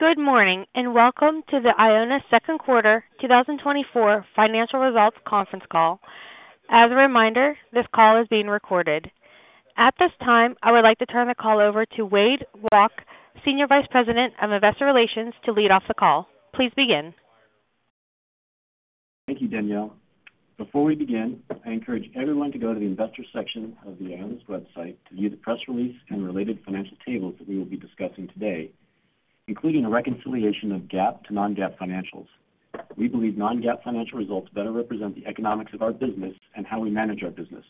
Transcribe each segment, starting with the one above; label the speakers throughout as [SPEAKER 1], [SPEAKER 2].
[SPEAKER 1] Good morning, and welcome to the Ionis second quarter 2024 financial results conference call. As a reminder, this call is being recorded. At this time, I would like to turn the call over to Wade Walke, Senior Vice President of Investor Relations, to lead off the call. Please begin.
[SPEAKER 2] Thank you, Danielle. Before we begin, I encourage everyone to go to the investor section of the Ionis website to view the press release and related financial tables that we will be discussing today, including a reconciliation of GAAP to non-GAAP financials. We believe non-GAAP financial results better represent the economics of our business and how we manage our business.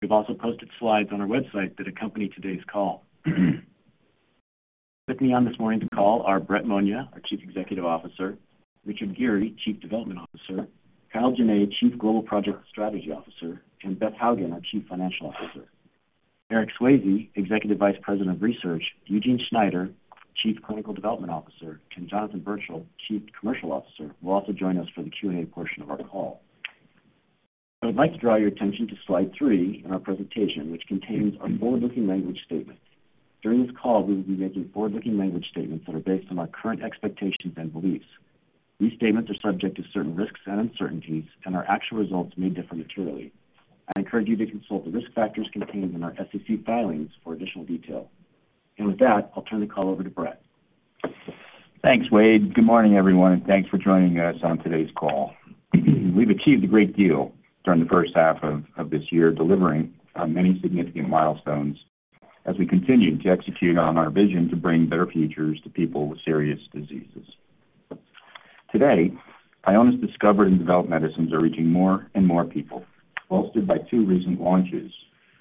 [SPEAKER 2] We've also posted slides on our website that accompany today's call. With me on this morning's call are Brett Monia, our Chief Executive Officer; Richard Geary, Chief Development Officer; Kyle Jenne, Chief Global Project Strategy Officer; and Beth Hougen, our Chief Financial Officer. Eric Swayze, Executive Vice President of Research, Eugene Schneider, Chief Clinical Development Officer, and Jonathan Birchall, Chief Commercial Officer, will also join us for the Q&A portion of our call. I would like to draw your attention to slide three in our presentation, which contains our forward-looking language statement. During this call, we will be making forward-looking language statements that are based on our current expectations and beliefs. These statements are subject to certain risks and uncertainties, and our actual results may differ materially. I encourage you to consult the risk factors contained in our SEC filings for additional detail. With that, I'll turn the call over to Brett.
[SPEAKER 3] Thanks, Wade. Good morning, everyone, and thanks for joining us on today's call. We've achieved a great deal during the first half of this year, delivering on many significant milestones as we continue to execute on our vision to bring better futures to people with serious diseases. Today, Ionis discovered and developed medicines are reaching more and more people, bolstered by two recent launches: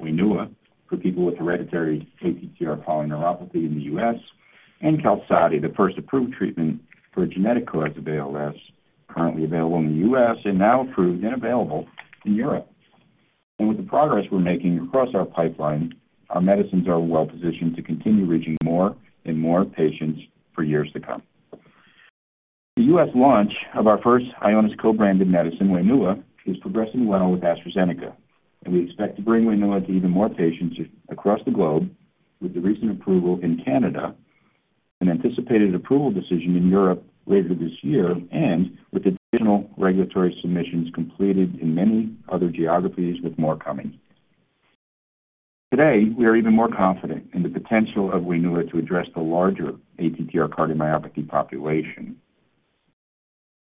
[SPEAKER 3] Waynua, for people with hereditary ATTR polyneuropathy in the U.S., and Qalsody, the first approved treatment for genetic cause of ALS, currently available in the U.S. and now approved and available in Europe. And with the progress we're making across our pipeline, our medicines are well positioned to continue reaching more and more patients for years to come. The U.S. launch of our first Ionis co-branded medicine, Waynua, is progressing well with AstraZeneca, and we expect to bring Waynua to even more patients across the globe with the recent approval in Canada, an anticipated approval decision in Europe later this year, and with additional regulatory submissions completed in many other geographies, with more coming. Today, we are even more confident in the potential of Waynua to address the larger ATTR cardiomyopathy population.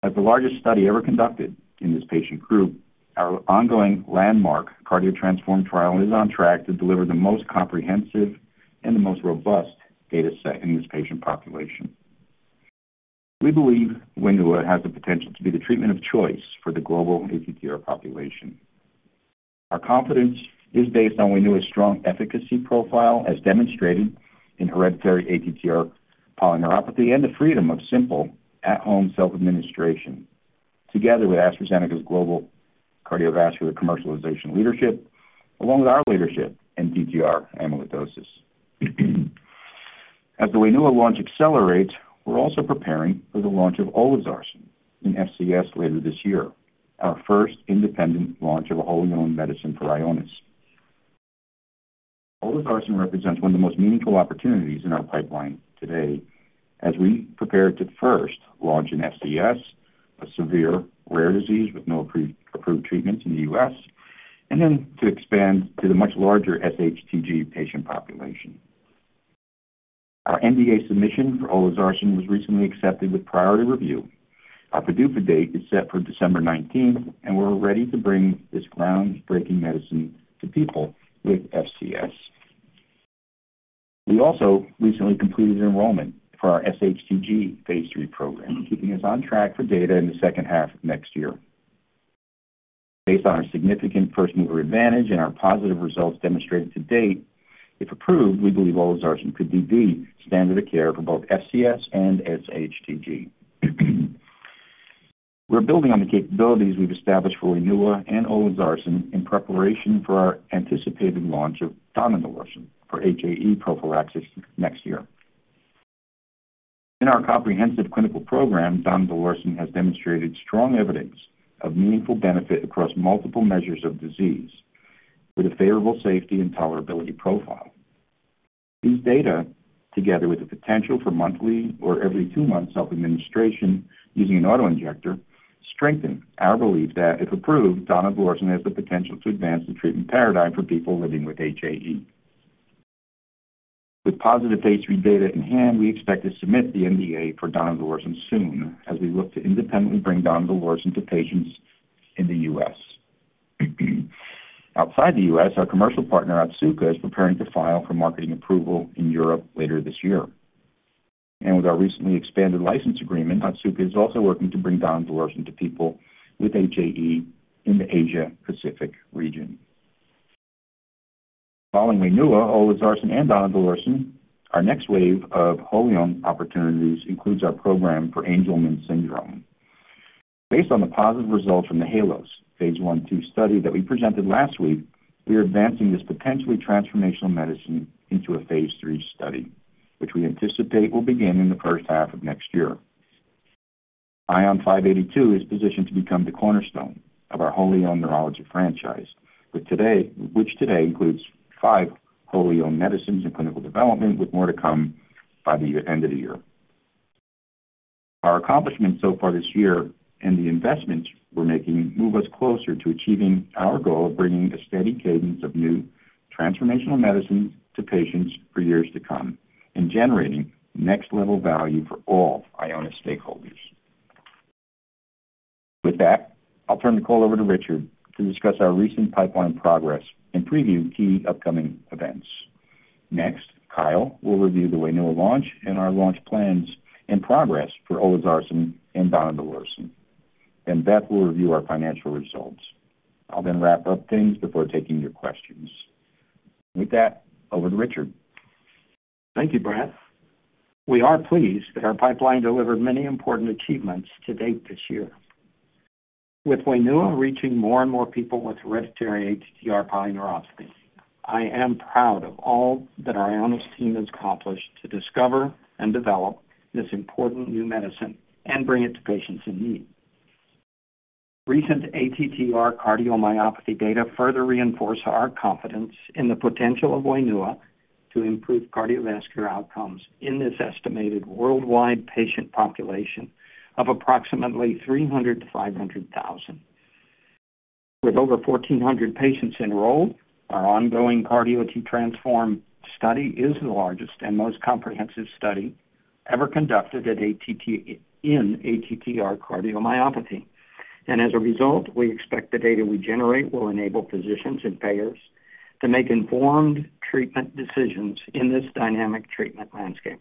[SPEAKER 3] As the largest study ever conducted in this patient group, our ongoing landmark CardioTransform trial is on track to deliver the most comprehensive and the most robust data set in this patient population. We believe Waynua has the potential to be the treatment of choice for the global ATTR population. Our confidence is based on Waynua's strong efficacy profile, as demonstrated in hereditary ATTR polyneuropathy and the freedom of simple at-home self-administration, together with AstraZeneca's global cardiovascular commercialization leadership, along with our leadership in ATTR amyloidosis. As the Waynua launch accelerates, we're also preparing for the launch of olasarsen in FCS later this year, our first independent launch of a whole new medicine for Ionis. olasarsen represents one of the most meaningful opportunities in our pipeline today as we prepare to first launch in FCS, a severe rare disease with no approved treatments in the U.S., and then to expand to the much larger SHTG patient population. Our NDA submission for olasarsen was recently accepted with priority review. Our PDUFA date is set for December nineteenth, and we're ready to bring this groundbreaking medicine to people with FCS. We also recently completed enrollment for our SHTG phase 3 program, keeping us on track for data in the second half of next year. Based on our significant first-mover advantage and our positive results demonstrated to date, if approved, we believe olasarsen could be the standard of care for both FCS and SHTG. We're building on the capabilities we've established for Waynua and olasarsen in preparation for our anticipated launch of donidalorsen for HAE prophylaxis next year. In our comprehensive clinical program, donidalorsen has demonstrated strong evidence of meaningful benefit across multiple measures of disease, with a favorable safety and tolerability profile. These data, together with the potential for monthly or every two months self-administration using an auto-injector, strengthen our belief that, if approved, donidalorsen has the potential to advance the treatment paradigm for people living with HAE. With positive phase 3 data in hand, we expect to submit the NDA for donidalorsen soon as we look to independently bring donidalorsen to patients in the U.S. Outside the U.S., our commercial partner, Otsuka, is preparing to file for marketing approval in Europe later this year. And with our recently expanded license agreement, Otsuka is also working to bring donidalorsen to people with HAE in the Asia Pacific region. Following Waynua, olasarsen, and donidalorsen, our next wave of whole genome opportunities includes our program for Angelman syndrome. Based on the positive results from the HALOS phase 1/2 study that we presented last week, we are advancing this potentially transformational medicine into a phase 3 study, which we anticipate will begin in the first half of next year.... ION582 is positioned to become the cornerstone of our wholly owned neurology franchise, with which today includes five wholly owned medicines in clinical development, with more to come by the end of the year. Our accomplishments so far this year and the investments we're making move us closer to achieving our goal of bringing a steady cadence of new transformational medicines to patients for years to come and generating next-level value for all Ionis stakeholders. With that, I'll turn the call over to Richard to discuss our recent pipeline progress and preview key upcoming events. Next, Kyle will review the Waynua launch and our launch plans and progress for olasarsen and donidalorsen. Then Beth will review our financial results. I'll then wrap up things before taking your questions. With that, over to Richard. Thank you, Brett. We are pleased that our pipeline delivered many important achievements to date this year. With Waynua reaching more and more people with hereditary ATTR polyneuropathy, I am proud of all that our Ionis team has accomplished to discover and develop this important new medicine and bring it to patients in need. Recent ATTR cardiomyopathy data further reinforce our confidence in the potential of Waynua to improve cardiovascular outcomes in this estimated worldwide patient population of approximately 300,000-500,000. With over 1,400 patients enrolled, our ongoing CardioTransform study is the largest and most comprehensive study ever conducted in ATTR cardiomyopathy. As a result, we expect the data we generate will enable physicians and payers to make informed treatment decisions in this dynamic treatment landscape.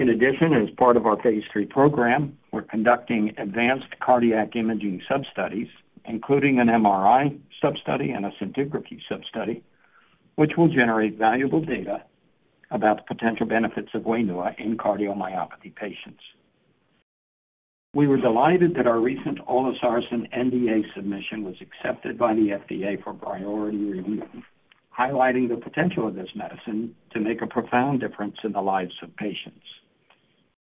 [SPEAKER 3] In addition, as part of our phase 3 program, we're conducting advanced cardiac imaging substudies, including an MRI substudy and a scintigraphy substudy, which will generate valuable data about the potential benefits of Waynua in cardiomyopathy patients. We were delighted that our recent olasarsen NDA submission was accepted by the FDA for priority review, highlighting the potential of this medicine to make a profound difference in the lives of patients.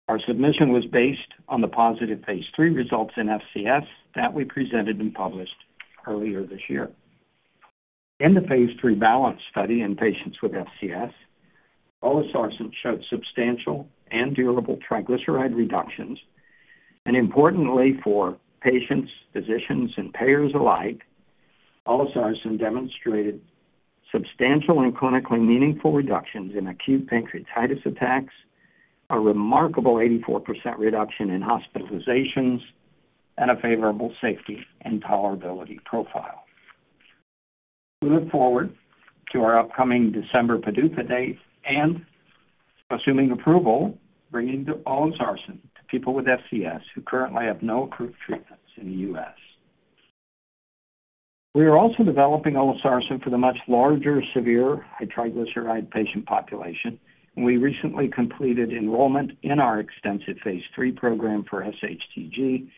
[SPEAKER 3] Our submission was based on the positive phase 3 results in FCS that we presented and published earlier this year. In the phase 3 BALANCE study in patients with FCS, olasarsen showed substantial and durable triglyceride reductions, and importantly for patients, physicians, and payers alike, olasarsen demonstrated substantial and clinically meaningful reductions in acute pancreatitis attacks, a remarkable 84% reduction in hospitalizations, and a favorable safety and tolerability profile. We look forward to our upcoming December PDUFA date and, assuming approval, bringing the olasarsen to people with FCS who currently have no approved treatments in the U.S. We are also developing olasarsen for the much larger, severe hypertriglyceridemia patient population, and we recently completed enrollment in our extensive phase 3 program for SHTG,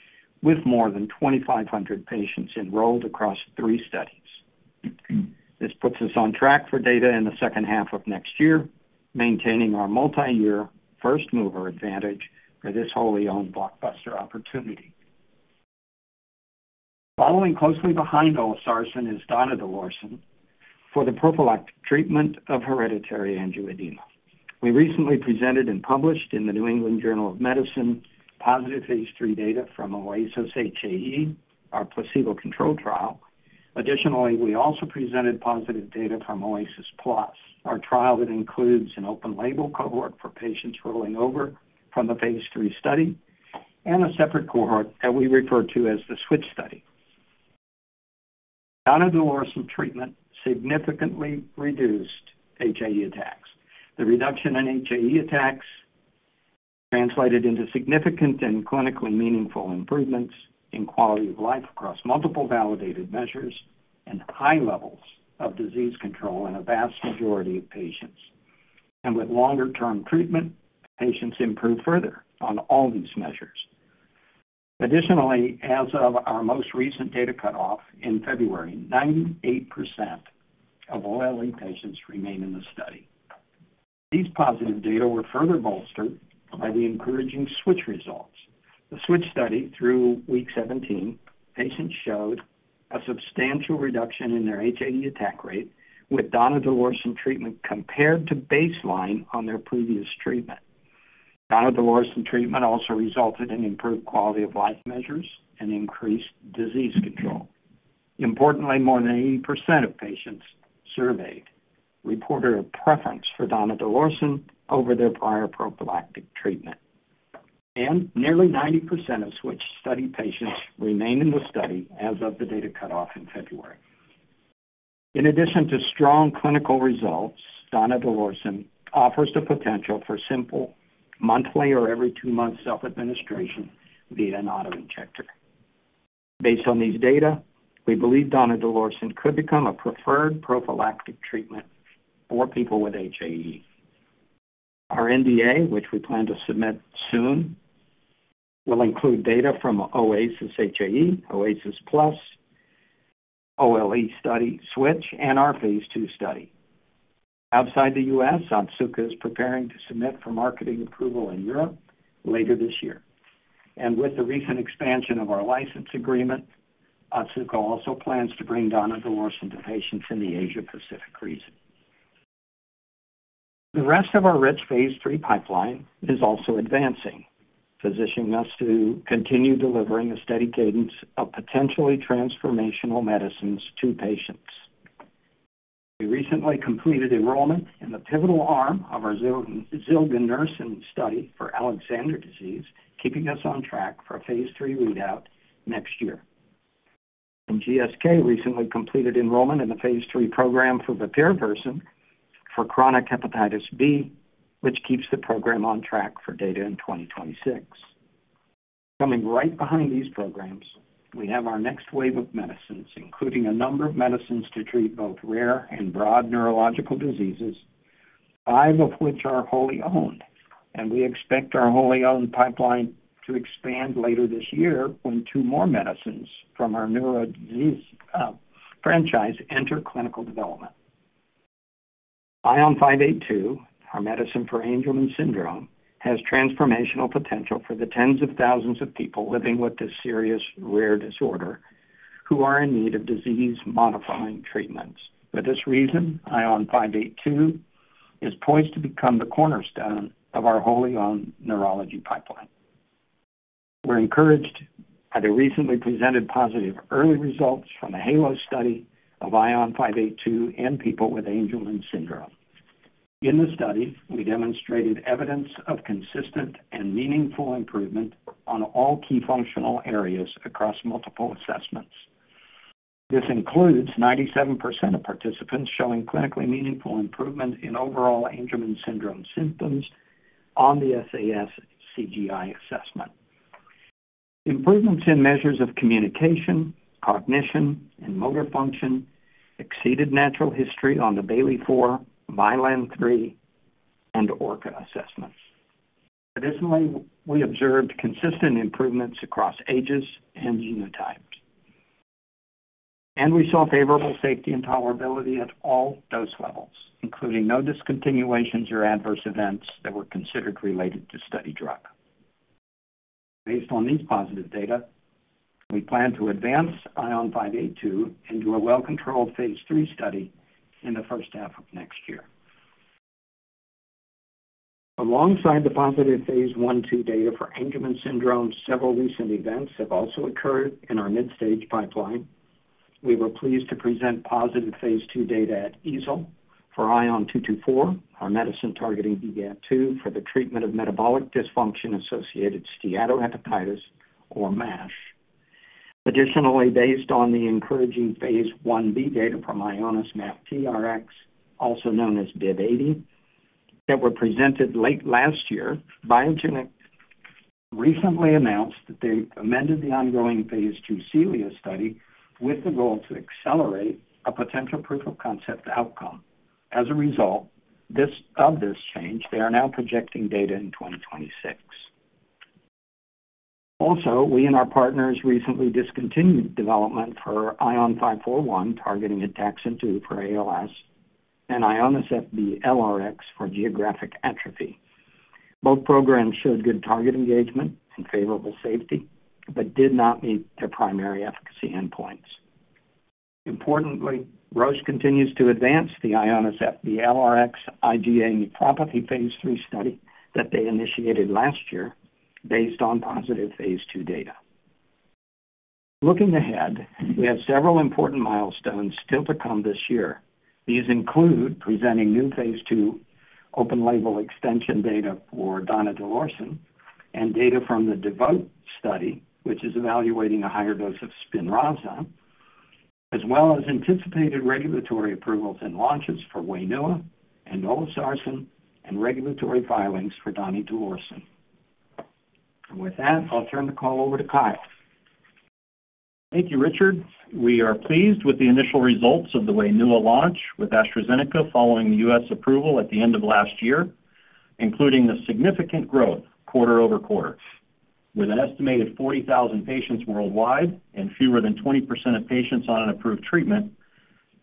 [SPEAKER 3] with more than 2,500 patients enrolled across three studies. This puts us on track for data in the second half of next year, maintaining our multiyear first-mover advantage for this wholly owned blockbuster opportunity. Following closely behind olasarsen is donidalorsen for the prophylactic treatment of hereditary angioedema. We recently presented and published in the New England Journal of Medicine, positive phase 3 data from OASIS HAE, our placebo-controlled trial. Additionally, we also presented positive data from OASIS Plus, our trial that includes an open-label cohort for patients rolling over from the Phase 3 study and a separate cohort that we refer to as the Switch study. donidalorsen treatment significantly reduced HAE attacks. The reduction in HAE attacks translated into significant and clinically meaningful improvements in quality of life across multiple validated measures and high levels of disease control in a vast majority of patients. And with longer-term treatment, patients improved further on all these measures. Additionally, as of our most recent data cutoff in February, 98% of OLE patients remain in the study. These positive data were further bolstered by the encouraging Switch results. The Switch study, through week 17, patients showed a substantial reduction in their HAE attack rate with donidalorsen treatment compared to baseline on their previous treatment. donidalorsen treatment also resulted in improved quality of life measures and increased disease control. Importantly, more than 80% of patients surveyed reported a preference for donidalorsen over their prior prophylactic treatment, and nearly 90% of Switch study patients remain in the study as of the data cutoff in February. In addition to strong clinical results, donidalorsen offers the potential for simple, monthly, or every two months self-administration via an auto-injector. Based on these data, we believe donidalorsen could become a preferred prophylactic treatment for people with HAE. Our NDA, which we plan to submit soon, will include data from OASIS HAE, OASIS Plus OLE study switch and our phase 2 study. Outside the U.S., Otsuka is preparing to submit for marketing approval in Europe later this year. And with the recent expansion of our license agreement, Otsuka also plans to bring donidalorsen to patients in the Asia-Pacific region. The rest of our rich Phase III pipeline is also advancing, positioning us to continue delivering a steady cadence of potentially transformational medicines to patients. We recently completed enrollment in the pivotal arm of our zilganertsen study for Alexander disease, keeping us on track for a Phase III readout next year. And GSK recently completed enrollment in the Phase III program for the bepirovirsen for chronic hepatitis B, which keeps the program on track for data in 2026. Coming right behind these programs, we have our next wave of medicines, including a number of medicines to treat both rare and broad neurological diseases, five of which are wholly owned, and we expect our wholly owned pipeline to expand later this year when two more medicines from our neuro disease franchise enter clinical development. ION582, our medicine for Angelman syndrome, has transformational potential for the tens of thousands of people living with this serious rare disorder, who are in need of disease-modifying treatments. For this reason, ION582 is poised to become the cornerstone of our wholly owned neurology pipeline. We're encouraged by the recently presented positive early results from the HALOS study of ION582 in people with Angelman syndrome. In the study, we demonstrated evidence of consistent and meaningful improvement on all key functional areas across multiple assessments. This includes 97% of participants showing clinically meaningful improvement in overall Angelman syndrome symptoms on the SAS-CGI assessment. Improvements in measures of communication, cognition, and motor function exceeded natural history on the Bayley-IV, Mullen III, and ORCA assessments. Additionally, we observed consistent improvements across ages and genotypes. We saw favorable safety and tolerability at all dose levels, including no discontinuations or adverse events that were considered related to study drug. Based on these positive data, we plan to advance ION582 into a well-controlled phase 3 study in the first half of next year. Alongside the positive phase 1/2 data for Angelman syndrome, several recent events have also occurred in our mid-stage pipeline. We were pleased to present positive phase 2 data at EASL for ION224, our medicine targeting DGAT2, for the treatment of metabolic dysfunction-associated steatohepatitis, or MASH. Additionally, based on the encouraging phase 1b data from IONIS-MAPTRx, also known as BIIB080, that were presented late last year, Biogen recently announced that they've amended the ongoing phase 2 CELIA study with the goal to accelerate a potential proof-of-concept outcome. As a result of this change, they are now projecting data in 2026. Also, we and our partners recently discontinued development for ION541, targeting ATXN2 for ALS, and IONIS-FB-LRx for geographic atrophy. Both programs showed good target engagement and favorable safety, but did not meet their primary efficacy endpoints. Importantly, Roche continues to advance the IONIS-FB-LRx IgA nephropathy phase III study that they initiated last year based on positive phase II data. Looking ahead, we have several important milestones still to come this year. These include presenting new phase II open label extension data for donidalorsen and data from the DEVOTE study, which is evaluating a higher dose of Spinraza, as well as anticipated regulatory approvals and launches for Waynua and olasarsen, and regulatory filings for donidalorsen. With that, I'll turn the call over to Kyle.
[SPEAKER 4] Thank you, Richard. We are pleased with the initial results of the Waynua launch with AstraZeneca following the U.S. approval at the end of last year, including the significant growth quarter-over-quarter. With an estimated 40,000 patients worldwide and fewer than 20% of patients on an approved treatment,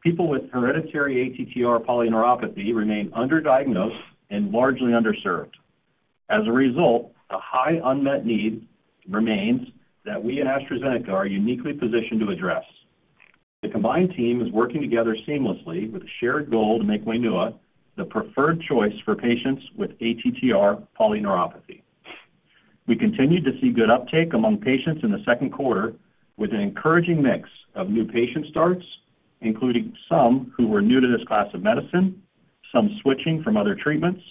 [SPEAKER 4] people with hereditary ATTR polyneuropathy remain underdiagnosed and largely underserved. As a result, a high unmet need remains that we and AstraZeneca are uniquely positioned to address. The combined team is working together seamlessly with a shared goal to make Waynua the preferred choice for patients with ATTR polyneuropathy. We continued to see good uptake among patients in the second quarter, with an encouraging mix of new patient starts, including some who were new to this class of medicine, some switching from other treatments,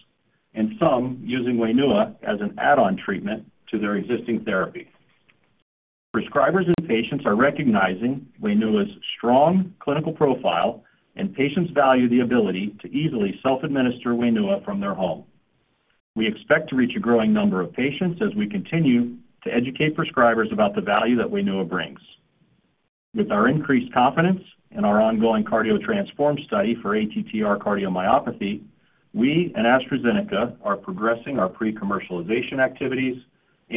[SPEAKER 4] and some using Waynua as an add-on treatment to their existing therapy. Prescribers and patients are recognizing Waynua's strong clinical profile, and patients value the ability to easily self-administer Waynua from their home. We expect to reach a growing number of patients as we continue to educate prescribers about the value that Waynua brings. With our increased confidence in our ongoing CardioTransform study for ATTR cardiomyopathy, we and AstraZeneca are progressing our pre-commercialization activities...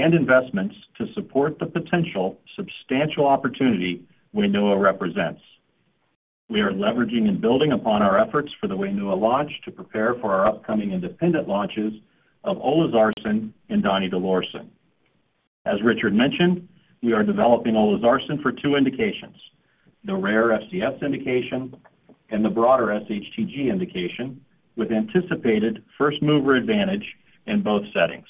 [SPEAKER 4] and investments to support the potential substantial opportunity Waynua represents. We are leveraging and building upon our efforts for the Waynua launch to prepare for our upcoming independent launches of olasarsen and donidalorsen. As Richard mentioned, we are developing olasarsen for two indications, the rare FCS indication and the broader SHTG indication, with anticipated first-mover advantage in both settings.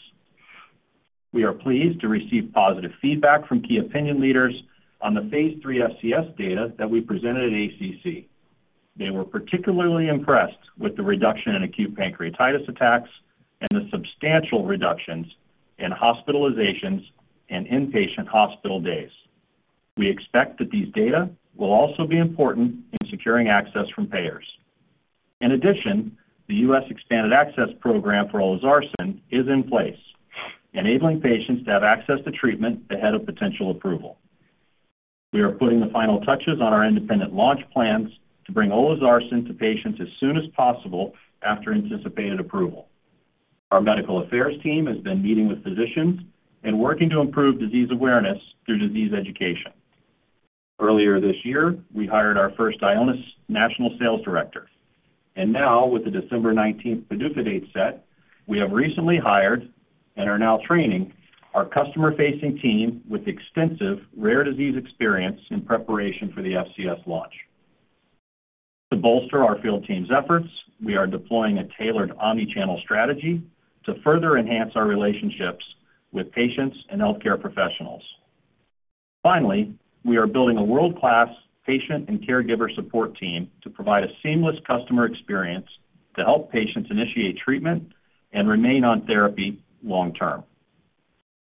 [SPEAKER 4] We are pleased to receive positive feedback from key opinion leaders on the phase 3 FCS data that we presented at ACC. They were particularly impressed with the reduction in acute pancreatitis attacks and the substantial reductions in hospitalizations and inpatient hospital days. We expect that these data will also be important in securing access from payers. In addition, the U.S. Expanded Access Program for olasarsen is in place, enabling patients to have access to treatment ahead of potential approval. We are putting the final touches on our independent launch plans to bring olasarsen to patients as soon as possible after anticipated approval. Our medical affairs team has been meeting with physicians and working to improve disease awareness through disease education. Earlier this year, we hired our first Ionis national sales director, and now with the December nineteenth PDUFA date set, we have recently hired and are now training our customer-facing team with extensive rare disease experience in preparation for the FCS launch. To bolster our field team's efforts, we are deploying a tailored omni-channel strategy to further enhance our relationships with patients and healthcare professionals. Finally, we are building a world-class patient and caregiver support team to provide a seamless customer experience to help patients initiate treatment and remain on therapy long term.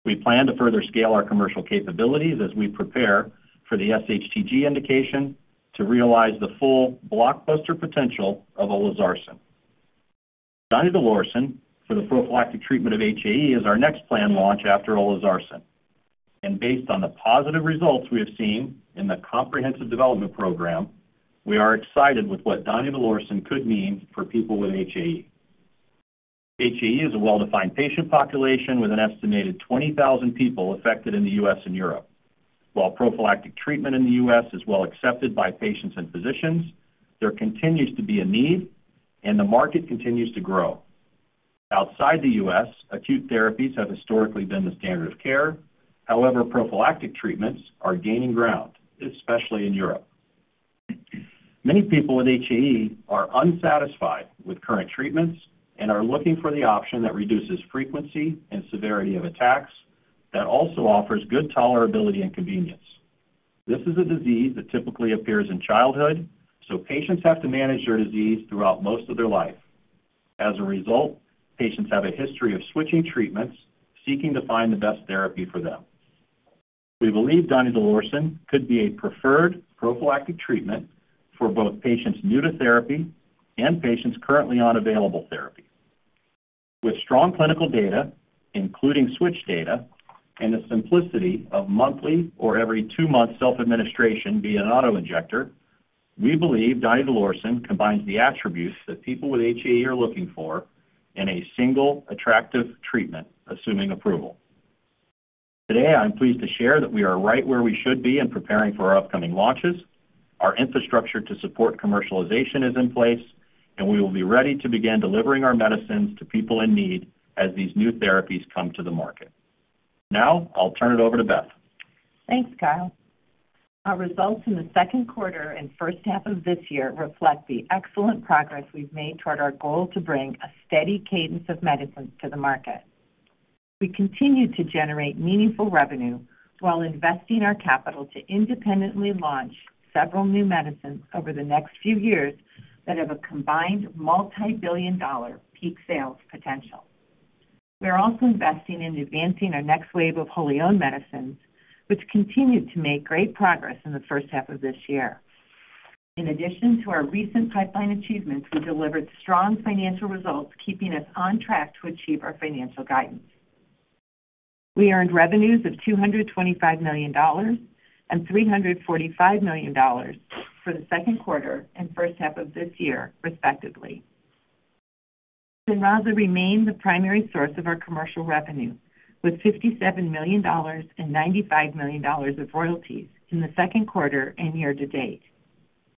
[SPEAKER 4] We plan to further scale our commercial capabilities as we prepare for the SHTG indication to realize the full blockbuster potential of olasarsen. donidalorsen for the prophylactic treatment of HAE is our next planned launch after olasarsen. Based on the positive results we have seen in the comprehensive development program, we are excited with what donidalorsen could mean for people with HAE. HAE is a well-defined patient population with an estimated 20,000 people affected in the U.S. and Europe. While prophylactic treatment in the U.S. is well accepted by patients and physicians, there continues to be a need, and the market continues to grow. Outside the U.S., acute therapies have historically been the standard of care. However, prophylactic treatments are gaining ground, especially in Europe. Many people with HAE are unsatisfied with current treatments and are looking for the option that reduces frequency and severity of attacks, that also offers good tolerability and convenience. This is a disease that typically appears in childhood, so patients have to manage their disease throughout most of their life. As a result, patients have a history of switching treatments, seeking to find the best therapy for them. We believe donidalorsen could be a preferred prophylactic treatment for both patients new to therapy and patients currently on available therapy. With strong clinical data, including switch data, and the simplicity of monthly or every two-month self-administration via an auto-injector, we believe donidalorsen combines the attributes that people with HAE are looking for in a single, attractive treatment, assuming approval. Today, I'm pleased to share that we are right where we should be in preparing for our upcoming launches. Our infrastructure to support commercialization is in place, and we will be ready to begin delivering our medicines to people in need as these new therapies come to the market. Now I'll turn it over to Beth.
[SPEAKER 5] Thanks, Kyle. Our results in the second quarter and first half of this year reflect the excellent progress we've made toward our goal to bring a steady cadence of medicines to the market. We continue to generate meaningful revenue while investing our capital to independently launch several new medicines over the next few years that have a combined multibillion-dollar peak sales potential. We are also investing in advancing our next wave of Ionis medicines, which continued to make great progress in the first half of this year. In addition to our recent pipeline achievements, we delivered strong financial results, keeping us on track to achieve our financial guidance. We earned revenues of $225 million and $345 million for the second quarter and first half of this year, respectively. Spinraza remained the primary source of our commercial revenue, with $57 million and $95 million of royalties in the second quarter and year-to-date.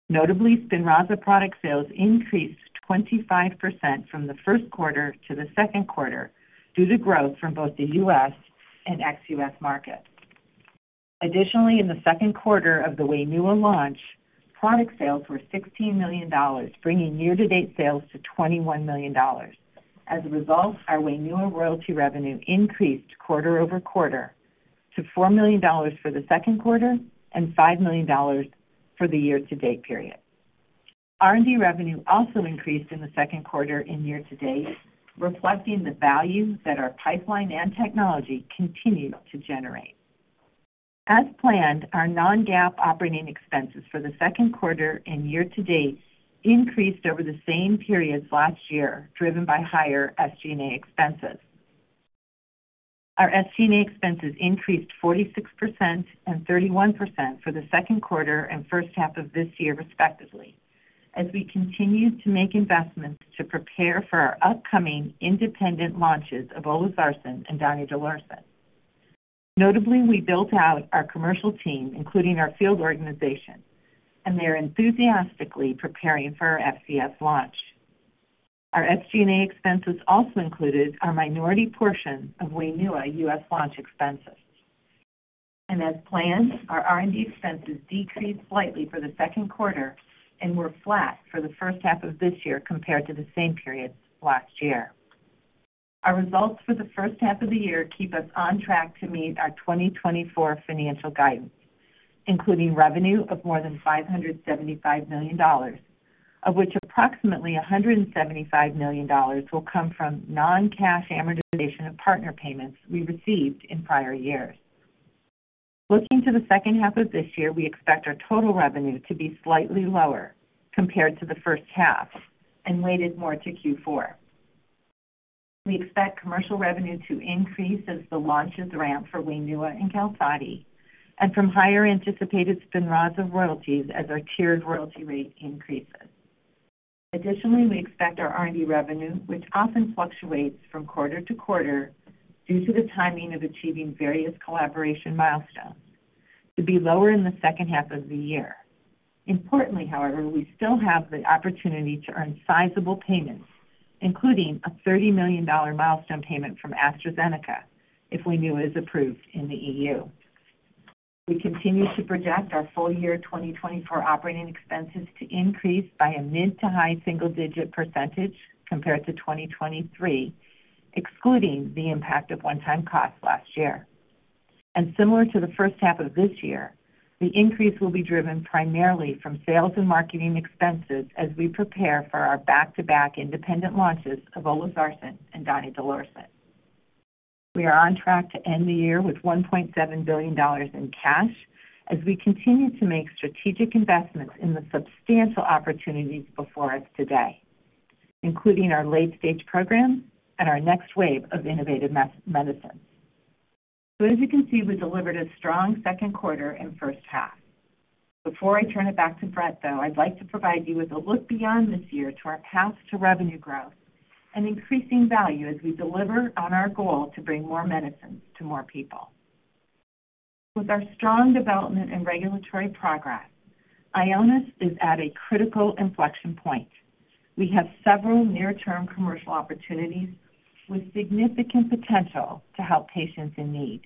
[SPEAKER 5] Notably, Spinraza product sales increased 25% from the first quarter to the second quarter due to growth from both the U.S. and ex-U.S. market. Additionally, in the second quarter of the Waynua launch, product sales were $16 million, bringing year-to-date sales to $21 million. As a result, our Waynua royalty revenue increased quarter-over-quarter to $4 million for the second quarter and $5 million for the year-to-date period. R&D revenue also increased in the second quarter and year-to-date, reflecting the value that our pipeline and technology continue to generate. As planned, our non-GAAP operating expenses for the second quarter and year-to-date increased over the same periods last year, driven by higher SG&A expenses. Our SG&A expenses increased 46% and 31% for the second quarter and first half of this year, respectively, as we continue to make investments to prepare for our upcoming independent launches of olasarsen and donidalorsen. Notably, we built out our commercial team, including our field organization, and they are enthusiastically preparing for our FCS launch. Our SG&A expenses also included our minority portion of Waynua US launch expenses. As planned, our R&D expenses decreased slightly for the second quarter and were flat for the first half of this year compared to the same period last year. Our results for the first half of the year keep us on track to meet our 2024 financial guidance, including revenue of more than $575 million, of which approximately $175 million will come from non-cash amortization of partner payments we received in prior years. Looking to the second half of this year, we expect our total revenue to be slightly lower compared to the first half and weighted more to Q4. We expect commercial revenue to increase as the launches ramp for Waynua and Qalsody, and from higher anticipated Spinraza royalties as our tiered royalty rate increases. Additionally, we expect our R&D revenue, which often fluctuates from quarter to quarter due to the timing of achieving various collaboration milestones, to be lower in the second half of the year. Importantly, however, we still have the opportunity to earn sizable payments, including a $30 million milestone payment from AstraZeneca, if Waynua is approved in the EU. We continue to project our full-year 2024 operating expenses to increase by a mid- to high single-digit % compared to 2023, excluding the impact of one-time costs last year. Similar to the first half of this year, the increase will be driven primarily from sales and marketing expenses as we prepare for our back-to-back independent launches of olasarsen and donidalorsen. We are on track to end the year with $1.7 billion in cash as we continue to make strategic investments in the substantial opportunities before us today, including our late-stage programs and our next wave of innovative medicines. As you can see, we delivered a strong second quarter and first half. Before I turn it back to Brett, though, I'd like to provide you with a look beyond this year to our path to revenue growth and increasing value as we deliver on our goal to bring more medicines to more people. With our strong development and regulatory progress, Ionis is at a critical inflection point. We have several near-term commercial opportunities with significant potential to help patients in need.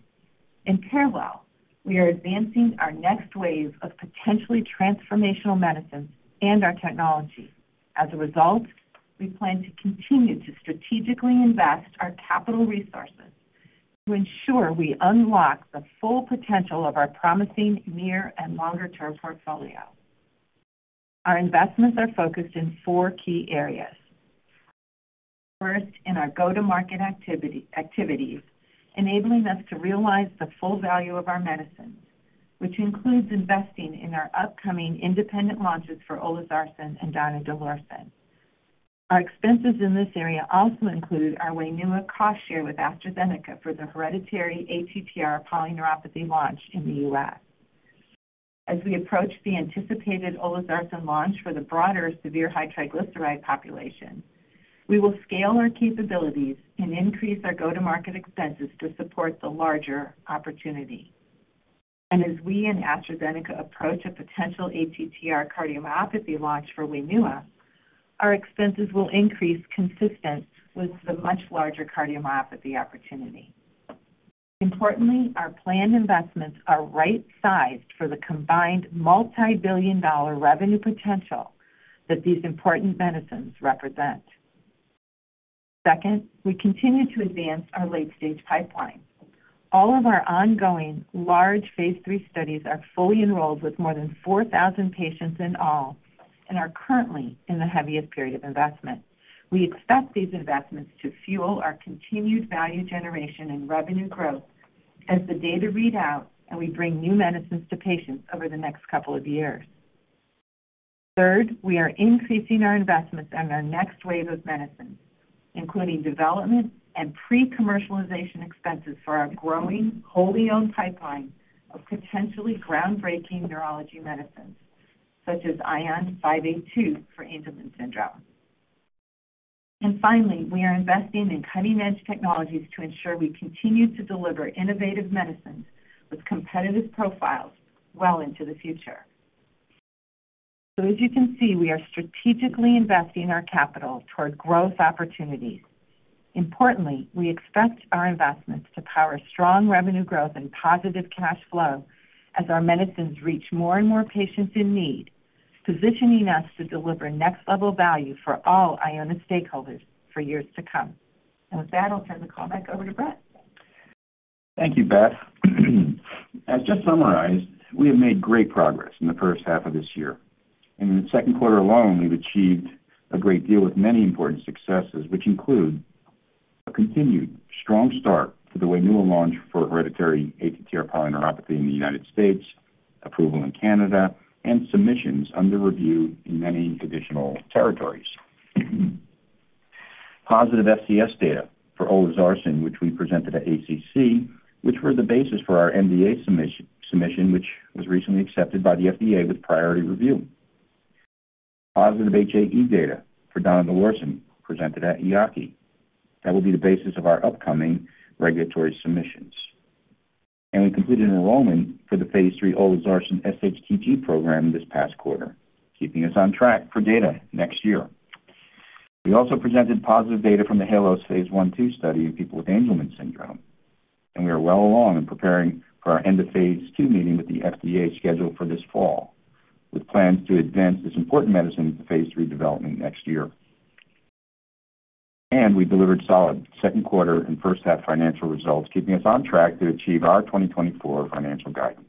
[SPEAKER 5] In parallel, we are advancing our next wave of potentially transformational medicines and our technology. As a result, we plan to continue to strategically invest our capital resources to ensure we unlock the full potential of our promising near and longer-term portfolio. Our investments are focused in four key areas. First, in our go-to-market activity, activities, enabling us to realize the full value of our medicines, which includes investing in our upcoming independent launches for olasarsen and donidalorsen. Our expenses in this area also include our Waynua cost share with AstraZeneca for the hereditary ATTR polyneuropathy launch in the U.S. As we approach the anticipated olasarsen launch for the broader severe hypertriglyceridemia population, we will scale our capabilities and increase our go-to-market expenses to support the larger opportunity. And as we and AstraZeneca approach a potential ATTR cardiomyopathy launch for Waynua, our expenses will increase consistent with the much larger cardiomyopathy opportunity. Importantly, our planned investments are right-sized for the combined multibillion-dollar revenue potential that these important medicines represent. Second, we continue to advance our late-stage pipeline. All of our ongoing large phase 3 studies are fully enrolled, with more than 4,000 patients in all, and are currently in the heaviest period of investment. We expect these investments to fuel our continued value generation and revenue growth as the data read out and we bring new medicines to patients over the next couple of years. Third, we are increasing our investments in our next wave of medicines, including development and pre-commercialization expenses for our growing, wholly owned pipeline of potentially groundbreaking neurology medicines, such as ION582 for Angelman syndrome. And finally, we are investing in cutting-edge technologies to ensure we continue to deliver innovative medicines with competitive profiles well into the future. So as you can see, we are strategically investing our capital toward growth opportunities. Importantly, we expect our investments to power strong revenue growth and positive cash flow as our medicines reach more and more patients in need, positioning us to deliver next-level value for all Ionis stakeholders for years to come. With that, I'll turn the call back over to Brett.
[SPEAKER 3] Thank you, Beth. As just summarized, we have made great progress in the first half of this year, and in the second quarter alone, we've achieved a great deal with many important successes, which include a continued strong start to the Waynua launch for hereditary ATTR polyneuropathy in the United States, approval in Canada, and submissions under review in many additional territories. Positive FCS data for olasarsen, which we presented at ACC, which were the basis for our NDA submission, which was recently accepted by the FDA with priority review. Positive HAE data for donidalorsen, presented at EAACI. That will be the basis of our upcoming regulatory submissions. We completed an enrollment for the phase 3 olasarsen SHTG program this past quarter, keeping us on track for data next year. We also presented positive data from the HALOS phase I/II study in people with Angelman syndrome, and we are well along in preparing for our end of phase II meeting with the FDA, scheduled for this fall, with plans to advance this important medicine to phase III development next year. We delivered solid second quarter and first half financial results, keeping us on track to achieve our 2024 financial guidance.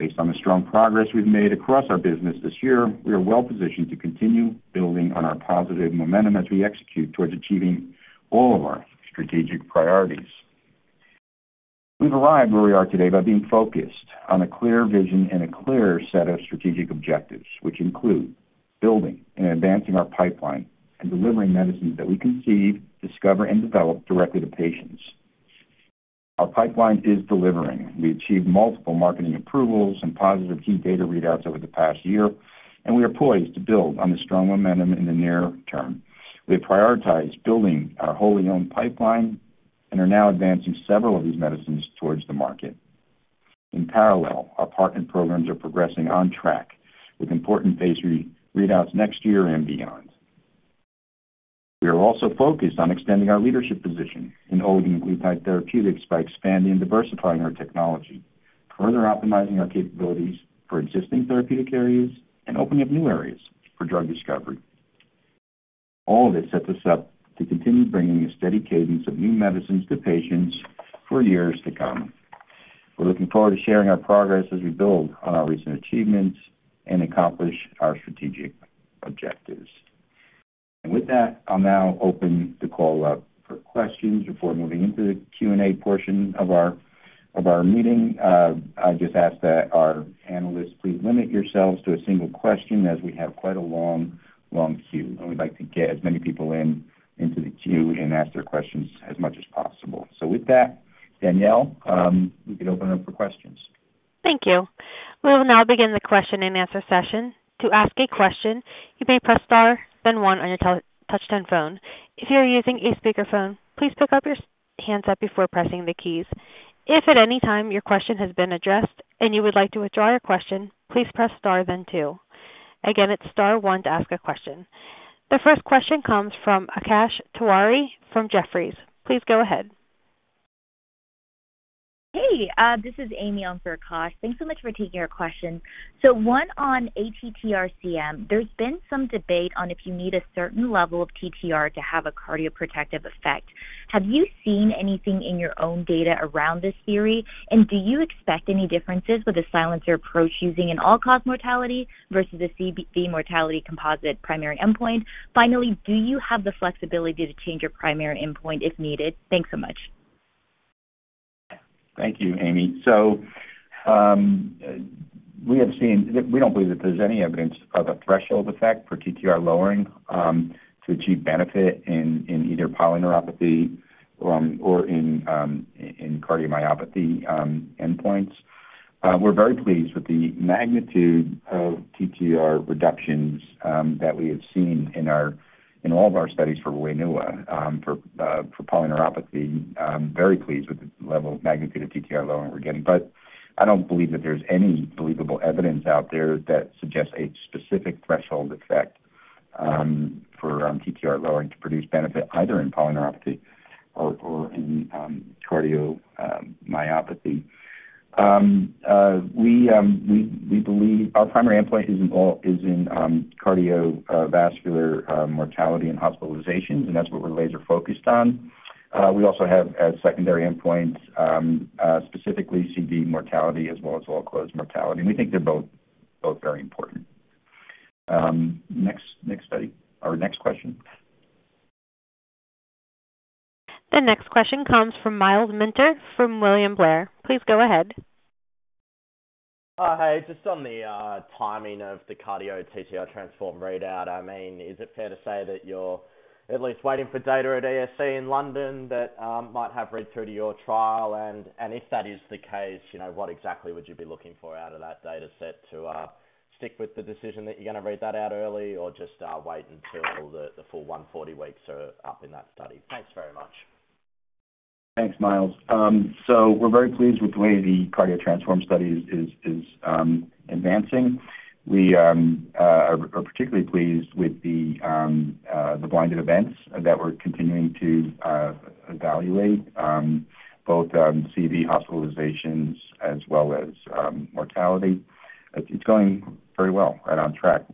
[SPEAKER 3] Based on the strong progress we've made across our business this year, we are well positioned to continue building on our positive momentum as we execute towards achieving all of our strategic priorities. We've arrived where we are today by being focused on a clear vision and a clear set of strategic objectives, which include building and advancing our pipeline and delivering medicines that we conceive, discover, and develop directly to patients. Our pipeline is delivering. We achieved multiple marketing approvals and positive key data readouts over the past year, and we are poised to build on the strong momentum in the near term. We have prioritized building our wholly owned pipeline and are now advancing several of these medicines towards the market. In parallel, our partner programs are progressing on track with important Phase III readouts next year and beyond. We are also focused on extending our leadership position in oligo and peptide therapeutics by expanding and diversifying our technology, further optimizing our capabilities for existing therapeutic areas and opening up new areas for drug discovery. All of this sets us up to continue bringing a steady cadence of new medicines to patients for years to come. We're looking forward to sharing our progress as we build on our recent achievements and accomplish our strategic objectives. With that, I'll now open the call up for questions. Before moving into the Q&A portion of our meeting, I just ask that our analysts please limit yourselves to a single question as we have quite a long queue, and we'd like to get as many people into the question and answer their questions as much as possible. With that, Danielle, we can open up for questions.
[SPEAKER 1] Thank you. We will now begin the question-and-answer session. To ask a question, you may press star then one on your touch-tone phone. If you are using a speakerphone, please pick up your handset before pressing the keys. If at any time your question has been addressed and you would like to withdraw your question, please press star then two. Again, it's star one to ask a question. The first question comes from Akash Tiwari from Jefferies. Please go ahead.
[SPEAKER 6] Hey, this is Amy on for Akash. Thanks so much for taking our question. So one on ATTR-CM, there's been some debate on if you need a certain level of TTR to have a cardioprotective effect. Have you seen anything in your own data around this theory? And do you expect any differences with a silencer approach using an all-cause mortality versus a CV mortality composite primary endpoint? Finally, do you have the flexibility to change your primary endpoint if needed? Thanks so much.
[SPEAKER 3] Thank you, Amy. We have seen... We don't believe that there's any evidence of a threshold effect for TTR lowering to achieve benefit in either polyneuropathy or in cardiomyopathy endpoints. We're very pleased with the magnitude of TTR reductions that we have seen in all of our studies for Waynua for polyneuropathy. Very pleased with the level of magnitude of TTR lowering we're getting. But I don't believe that there's any believable evidence out there that suggests a specific threshold effect for TTR lowering to produce benefit either in polyneuropathy or in cardiomyopathy. We believe our primary endpoint is in cardiovascular mortality and hospitalizations, and that's what we're laser focused on. We also have as secondary endpoints, specifically CV mortality as well as all-cause mortality, and we think they're both, both very important. Next, next study, or next question.
[SPEAKER 1] The next question comes from Myles Minter from William Blair. Please go ahead.
[SPEAKER 7] Hey, just on the timing of the CardioTransform readout, I mean, is it fair to say that you're at least waiting for data at ESC in London that might have read through to your trial? And if that is the case, you know, what exactly would you be looking for out of that data set to stick with the decision that you're going to read that out early or just wait until the full 140 weeks are up in that study? Thanks very much.
[SPEAKER 3] Thanks, Myles. So we're very pleased with the way the CardioTransform study is advancing. We are particularly pleased with the blinded events that we're continuing to evaluate, both CV hospitalizations as well as mortality. It's going very well, right on track.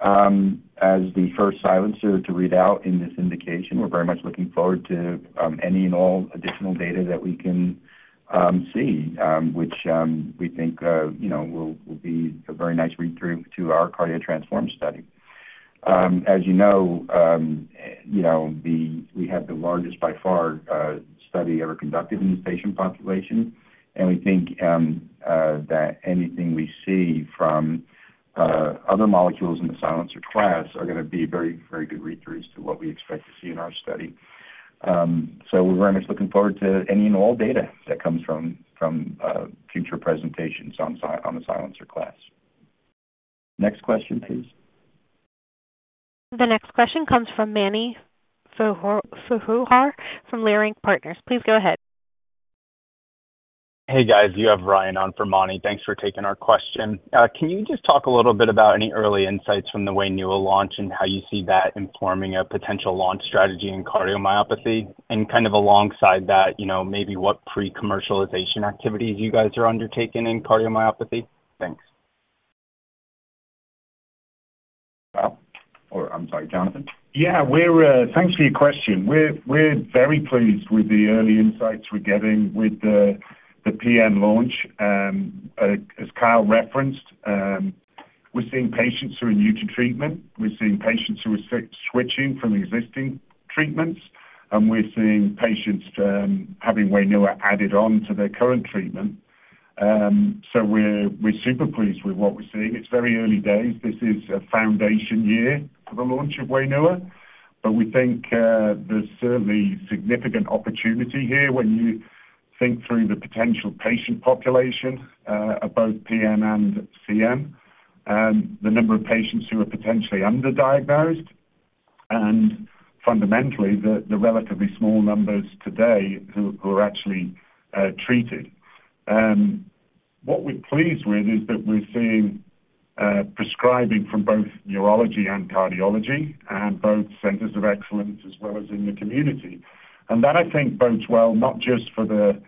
[SPEAKER 3] As the first silencer to read out in this indication, we're very much looking forward to any and all additional data that we can see, which we think, you know, will be a very nice read-through to our CardioTransform study. As you know, you know, we have the largest, by far, study ever conducted in this patient population, and we think that anything we see from other molecules in the silencer class are gonna be very, very good read-throughs to what we expect to see in our study. So we're very much looking forward to any and all data that comes from future presentations on the silencer class. Next question, please.
[SPEAKER 1] The next question comes from Mani Foroohar from Leerink Partners. Please go ahead.
[SPEAKER 8] Hey, guys, you have Ryan on for Mani. Thanks for taking our question. Can you just talk a little bit about any early insights from the Waynua launch and how you see that informing a potential launch strategy in cardiomyopathy? And kind of alongside that, you know, maybe what pre-commercialization activities you guys are undertaking in cardiomyopathy? Thanks.
[SPEAKER 3] Kyle, or I'm sorry, Jonathan?
[SPEAKER 9] Yeah, thanks for your question. We're very pleased with the early insights we're getting with the PM launch. As Kyle referenced, we're seeing patients who are new to treatment, we're seeing patients who are switching from existing treatments, and we're seeing patients having Waynua added on to their current treatment. So we're super pleased with what we're seeing. It's very early days. This is a foundation year for the launch of Waynua, but we think there's certainly significant opportunity here when you think through the potential patient population of both PM and CM, the number of patients who are potentially underdiagnosed, and fundamentally, the relatively small numbers today who are actually treated. What we're pleased with is that we're seeing prescribing from both neurology and cardiology, and both centers of excellence as well as in the community. And that, I think, bodes well, not just for the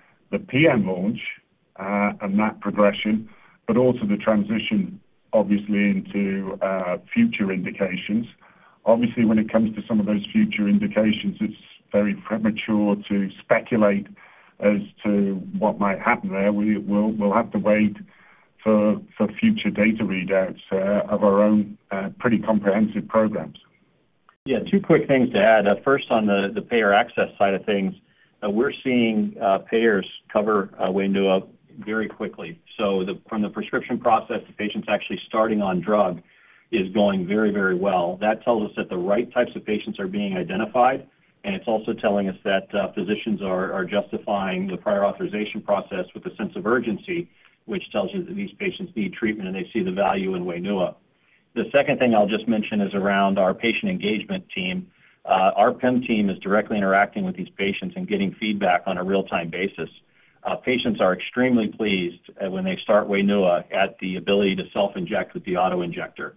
[SPEAKER 9] PM launch and that progression, but also the transition, obviously, into future indications. Obviously, when it comes to some of those future indications, it's very premature to speculate as to what might happen there. We'll have to wait for future data readouts of our own pretty comprehensive programs.
[SPEAKER 3] Yeah, two quick things to add. First, on the payer access side of things, we're seeing payers cover Waynua very quickly. So from the prescription process, the patients actually starting on drug is going very, very well. That tells us that the right types of patients are being identified, and it's also telling us that physicians are justifying the prior authorization process with a sense of urgency, which tells you that these patients need treatment, and they see the value in Waynua. The second thing I'll just mention is around our patient engagement team. Our PEM team is directly interacting with these patients and getting feedback on a real-time basis. Patients are extremely pleased when they start Waynua, at the ability to self-inject with the auto-injector.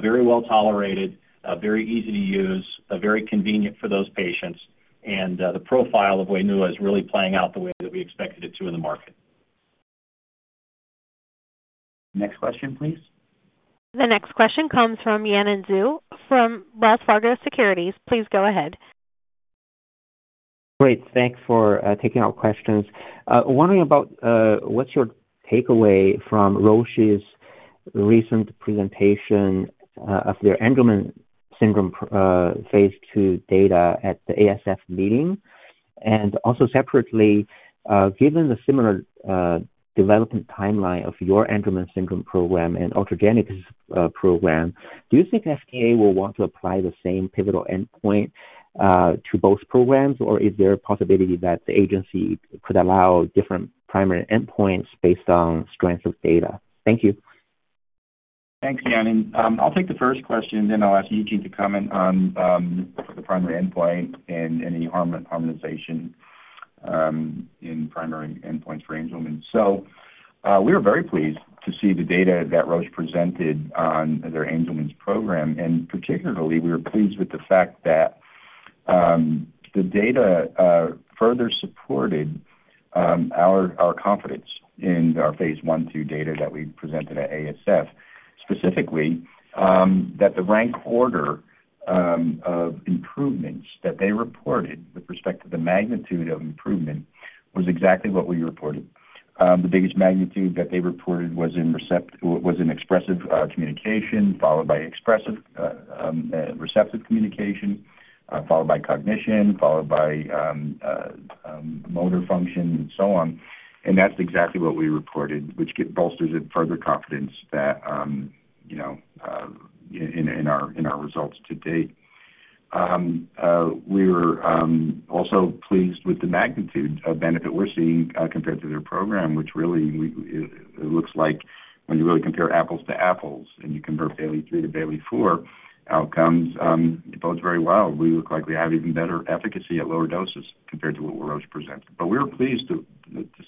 [SPEAKER 3] Very well tolerated, very easy to use, very convenient for those patients, and the profile of Waynua is really playing out the way that we expected it to in the market. Next question, please.
[SPEAKER 1] The next question comes from Yanan Zhu from Wells Fargo Securities. Please go ahead.
[SPEAKER 10] Great, thanks for taking our questions. Wondering about what's your takeaway from Roche's recent presentation of their Angelman syndrome phase 2 data at the ASF meeting? And also separately, given the similar development timeline of your Angelman syndrome program and Ultragenyx program, do you think FDA will want to apply the same pivotal endpoint to both programs? Or is there a possibility that the agency could allow different primary endpoints based on strength of data? Thank you.
[SPEAKER 3] Thanks, Yanan. I'll take the first question, then I'll ask Eugene to comment on the primary endpoint and the harmonization in primary endpoints for Angelman. So, we were very pleased to see the data that Roche presented on their Angelman's program, and particularly, we were pleased with the fact that the data further supported our confidence in our phase 1/2 data that we presented at ASF. Specifically, that the rank order of improvements that they reported with respect to the magnitude of improvement was exactly what we reported. The biggest magnitude that they reported was in expressive communication, followed by receptive communication, followed by cognition, followed by motor function, and so on. And that's exactly what we reported, which bolsters further confidence that, you know, in our results to date. We were also pleased with the magnitude of benefit we're seeing, compared to their program, which really it looks like when you really compare apples to apples, and you convert Bayley III to Bayley IV outcomes, it bodes very well. We look like we have even better efficacy at lower doses compared to what Roche presented. But we were pleased to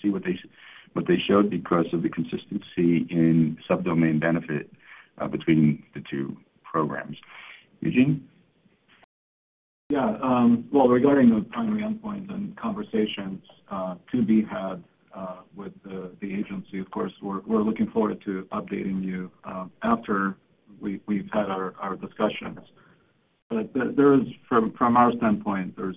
[SPEAKER 3] see what they showed because of the consistency in sub-domain benefit, between the two programs. Eugene?
[SPEAKER 11] Yeah, well, regarding the primary endpoints and conversations to be had with the agency, of course, we're looking forward to updating you after we've had our discussions. But there is... From our standpoint, there's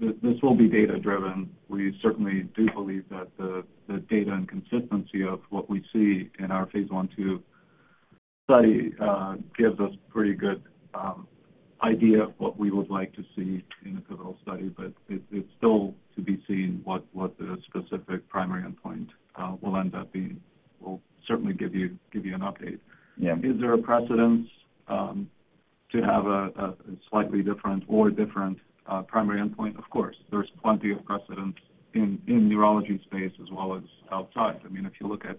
[SPEAKER 11] this will be data-driven. We certainly do believe that the data and consistency of what we see in our phase 1/2 study gives us pretty good idea of what we would like to see in a pivotal study, but it's still to be seen what the specific primary endpoint will end up being. We'll certainly give you an update.
[SPEAKER 3] Yeah.
[SPEAKER 10] Is there a precedent?... to have a slightly different primary endpoint?
[SPEAKER 11] Of course, there's plenty of precedent in neurology space as well as outside. I mean, if you look at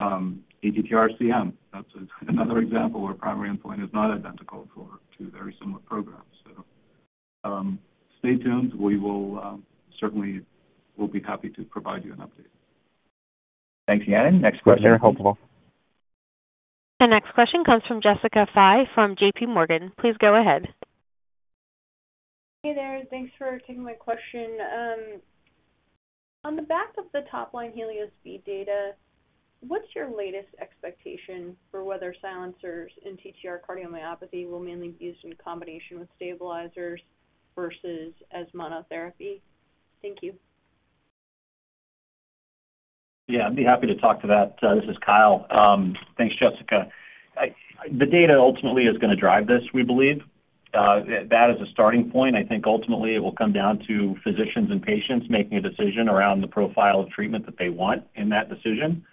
[SPEAKER 11] ATTR-CM, that's another example where primary endpoint is not identical for two very similar programs. So, stay tuned. We will certainly be happy to provide you an update.
[SPEAKER 4] Thanks, Yanan. Next question.
[SPEAKER 10] Very helpful.
[SPEAKER 1] The next question comes from Jessica Fye from JP Morgan. Please go ahead.
[SPEAKER 12] Hey there. Thanks for taking my question. On the back of the top line Helios-B data, what's your latest expectation for whether silencers in TTR cardiomyopathy will mainly be used in combination with stabilizers versus as monotherapy? Thank you.
[SPEAKER 4] Yeah, I'd be happy to talk to that. This is Kyle. Thanks, Jessica. The data ultimately is gonna drive this, we believe. That is a starting point. I think ultimately it will come down to physicians and patients making a decision around the profile of treatment that they want in that decision.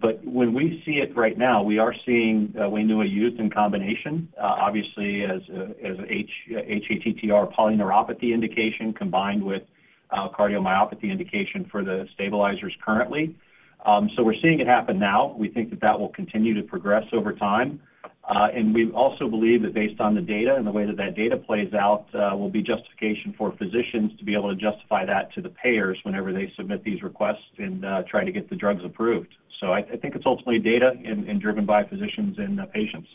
[SPEAKER 4] But when we see it right now, we are seeing, we know a use in combination, obviously, as hATTR polyneuropathy indication combined with cardiomyopathy indication for the stabilizers currently. So we're seeing it happen now. We think that that will continue to progress over time. And we also believe that based on the data and the way that that data plays out, will be justification for physicians to be able to justify that to the payers whenever they submit these requests and, try to get the drugs approved. So I think it's ultimately data and driven by physicians and patients.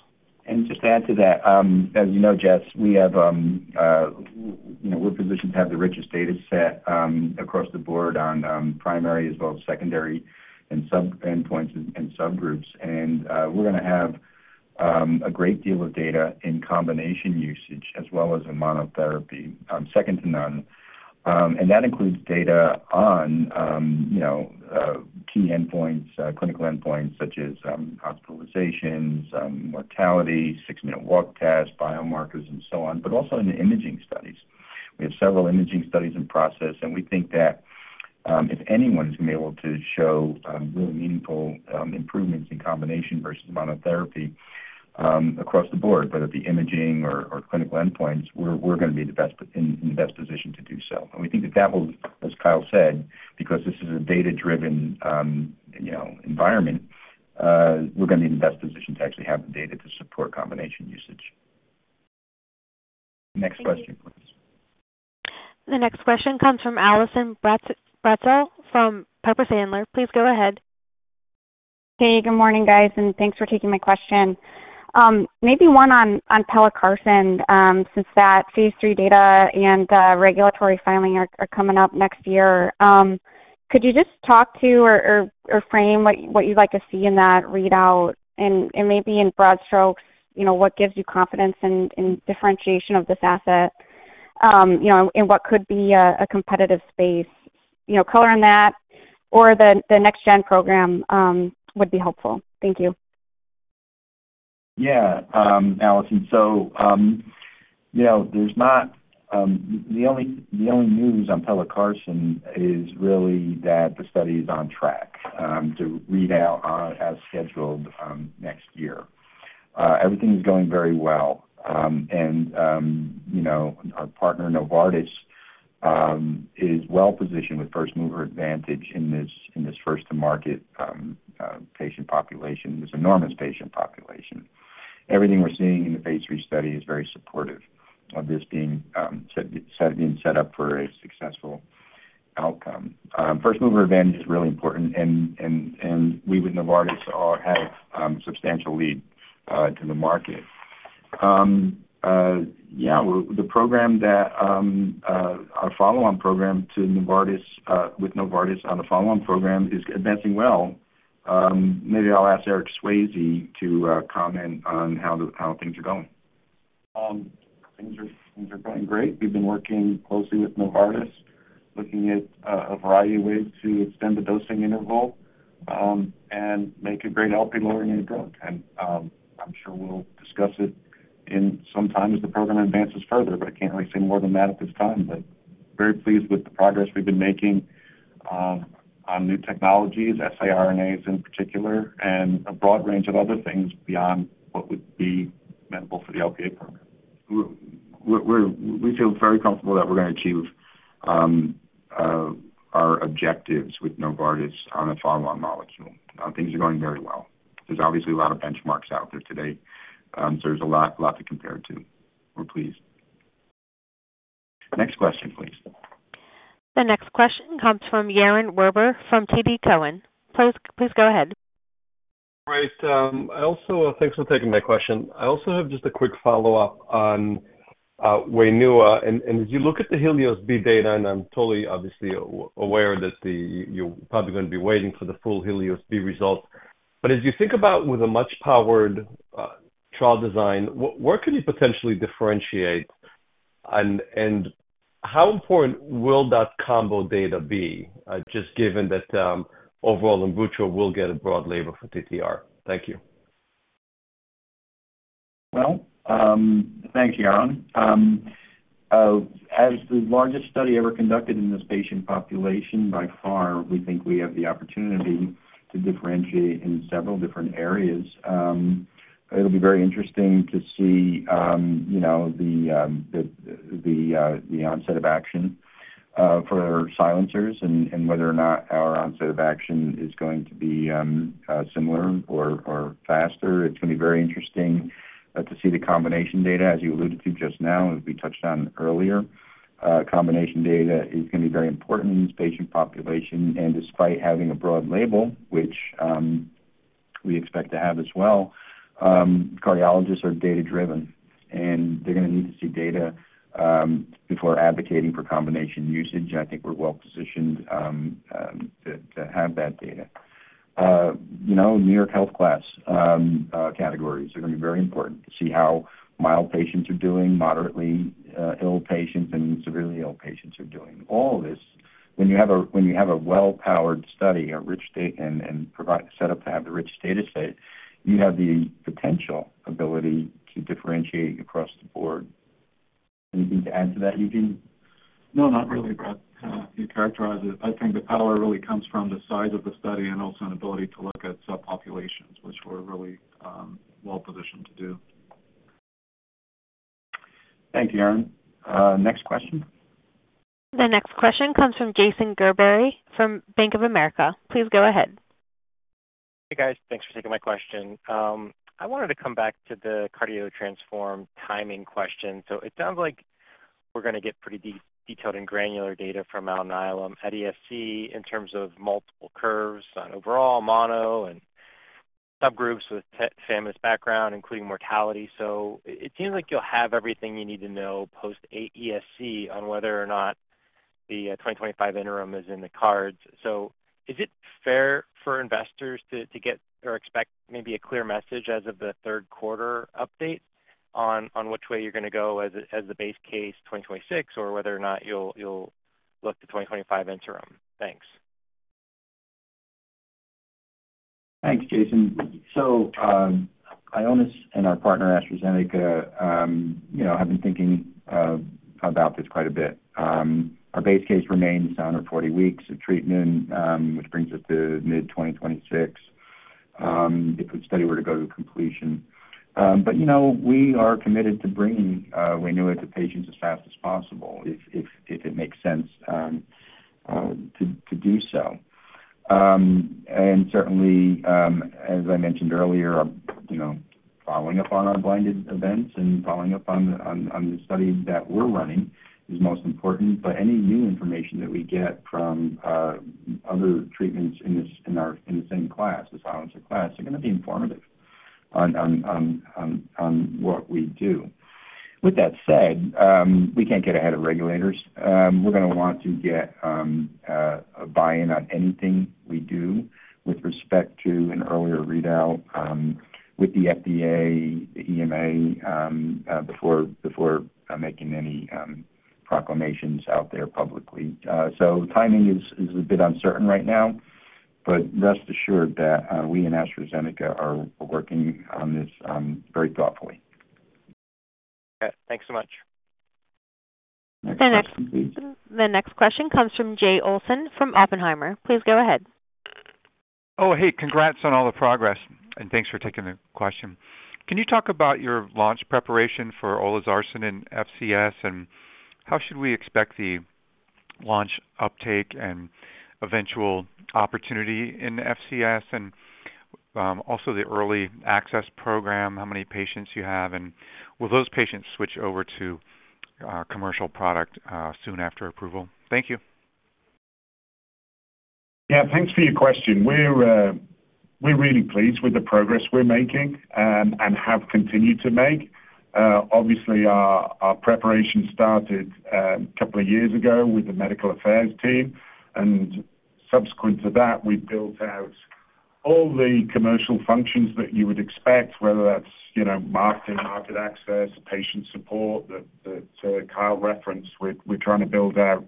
[SPEAKER 3] And just to add to that, as you know, Jess, we have, you know, we're positioned to have the richest data set across the board on primary as well as secondary and sub endpoints and subgroups. And we're gonna have a great deal of data in combination usage as well as in monotherapy, second to none. And that includes data on, you know, key endpoints, clinical endpoints such as hospitalizations, mortality, six-minute walk test, biomarkers, and so on, but also in the imaging studies. We have several imaging studies in process, and we think that if anyone is gonna be able to show really meaningful improvements in combination versus monotherapy across the board, whether it be imaging or clinical endpoints, we're gonna be in the best position to do so. And we think that that will, as Kyle said, because this is a data-driven, you know, environment, we're gonna be in the best position to actually have the data to support combination usage. Next question, please.
[SPEAKER 1] The next question comes from Allison Bratzel from Piper Sandler. Please go ahead.
[SPEAKER 13] Hey, good morning, guys, and thanks for taking my question. Maybe one on pelacarsen, since that phase 3 data and regulatory filing are coming up next year. Could you just talk to or frame what you'd like to see in that readout? And maybe in broad strokes, you know, what gives you confidence in differentiation of this asset, you know, in what could be a competitive space? You know, color on that or the next gen program would be helpful. Thank you.
[SPEAKER 3] Yeah, Allison. So, you know, there's not... The only news on pelacarsen is really that the study is on track to read out as scheduled next year. Everything is going very well. And, you know, our partner, Novartis, is well positioned with first mover advantage in this first to market patient population, this enormous patient population. Everything we're seeing in the phase three study is very supportive of this being set up for a successful outcome. First mover advantage is really important, and we with Novartis have substantial lead to the market. Yeah, well, the program that our follow-on program to Novartis with Novartis on the follow-on program is advancing well. Maybe I'll ask Eric Swayze to comment on how things are going.
[SPEAKER 14] Things are going great. We've been working closely with Novartis, looking at a variety of ways to extend the dosing interval and make a great Lp(a) lowering new drug. I'm sure we'll discuss it in some time as the program advances further, but I can't really say more than that at this time. Very pleased with the progress we've been making on new technologies, siRNAs in particular, and a broad range of other things beyond what would be meaningful for the Lp(a) program.
[SPEAKER 3] We feel very comfortable that we're gonna achieve our objectives with Novartis on a follow-on molecule. Things are going very well. There's obviously a lot of benchmarks out there today. So there's a lot, lot to compare to. We're pleased. Next question, please.
[SPEAKER 1] The next question comes from Yaron Werber from TD Cowen. Please, please go ahead.
[SPEAKER 15] Great. Thanks for taking my question. I also have just a quick follow-up on Waynua. And as you look at the Helios-B data, and I'm totally obviously aware that you're probably gonna be waiting for the full Helios-B result, but as you think about with a much powered trial design, where could you potentially differentiate, and how important will that combo data be, just given that, overall, vutrisiran will get a broad label for TTR? Thank you.
[SPEAKER 3] Well, thanks, Yaron. As the largest study ever conducted in this patient population, by far, we think we have the opportunity to differentiate in several different areas. It'll be very interesting to see, you know, the onset of action for silencers and whether or not our onset of action is going to be similar or faster. It's going to be very interesting to see the combination data, as you alluded to just now, as we touched on earlier. Combination data is going to be very important in this patient population, and despite having a broad label, which we expect to have as well, cardiologists are data-driven, and they're gonna need to see data before advocating for combination usage. I think we're well positioned to have that data. You know, NYHA class categories are gonna be very important to see how mild patients are doing, moderately ill patients and severely ill patients are doing. All this, when you have a well-powered study, a rich dataset, set up to have the rich dataset, you have the potential ability to differentiate across the board. Anything to add to that, Eugene?
[SPEAKER 11] No, not really, Brett. You characterized it. I think the power really comes from the size of the study and also an ability to look at subpopulations, which we're really, well positioned to do.
[SPEAKER 3] Thank you, Yaron. Next question.
[SPEAKER 1] The next question comes from Jason Gerberry from Bank of America. Please go ahead.
[SPEAKER 16] Hey, guys. Thanks for taking my question. I wanted to come back to the CardioTransform timing question. So it sounds like we're gonna get pretty detailed and granular data from the main analysis at ESC in terms of multiple curves on overall mortality and subgroups with tafamidis background, including mortality. So it seems like you'll have everything you need to know post ESC on whether or not the 2025 interim is in the cards. So is it fair for investors to get or expect maybe a clear message as of the third quarter update on which way you're gonna go as the base case, 2026, or whether or not you'll look to 2025 interim? Thanks.
[SPEAKER 3] Thanks, Jason. So, Ionis and our partner, AstraZeneca, you know, have been thinking about this quite a bit. Our base case remains under 40 weeks of treatment, which brings us to mid-2026, if the study were to go to completion. But, you know, we are committed to bringing Waynua to patients as fast as possible if it makes sense to do so. And certainly, as I mentioned earlier, you know, following up on our blinded events and following up on the studies that we're running is most important. But any new information that we get from other treatments in the same class, the silencer class, is gonna be informative on what we do. With that said, we can't get ahead of regulators. We're gonna want to get a buy-in on anything we do with respect to an earlier readout with the FDA, the EMA, before making any proclamations out there publicly. So timing is a bit uncertain right now, but rest assured that we and AstraZeneca are working on this very thoughtfully.
[SPEAKER 16] Okay, thanks so much.
[SPEAKER 3] Next question-
[SPEAKER 1] The next question comes from Jay Olson from Oppenheimer. Please go ahead.
[SPEAKER 17] Oh, hey, congrats on all the progress, and thanks for taking the question. Can you talk about your launch preparation for olasarsen in FCS, and how should we expect the launch uptake and eventual opportunity in FCS? And, also the early access program, how many patients you have, and will those patients switch over to, commercial product, soon after approval? Thank you.
[SPEAKER 3] Yeah, thanks for your question. We're really pleased with the progress we're making and have continued to make. Obviously, our preparation started a couple of years ago with the medical affairs team, and subsequent to that, we built out all the commercial functions that you would expect, whether that's, you know, marketing, market access, patient support that Kyle referenced. We're trying to build out,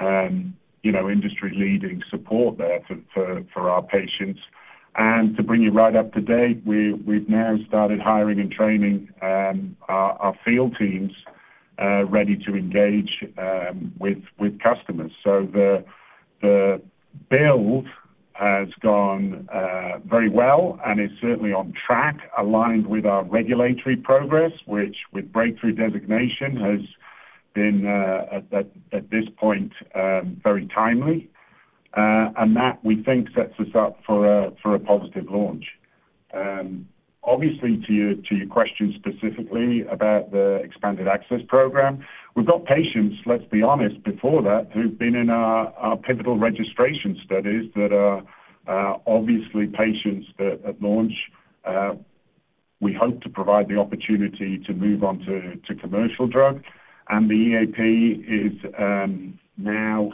[SPEAKER 3] you know, industry-leading support there for our patients. And to bring you right up to date, we've now started hiring and training our field teams ready to engage with customers. So the build has gone very well and is certainly on track, aligned with our regulatory progress, which with breakthrough designation has been at this point very timely. And that, we think sets us up for a positive launch. Obviously, to your question specifically about the expanded access program, we've got patients, let's be honest, before that, who've been in our pivotal registration studies that are obviously patients that at launch, we hope to provide the opportunity to move on to commercial drug. And the EAP is now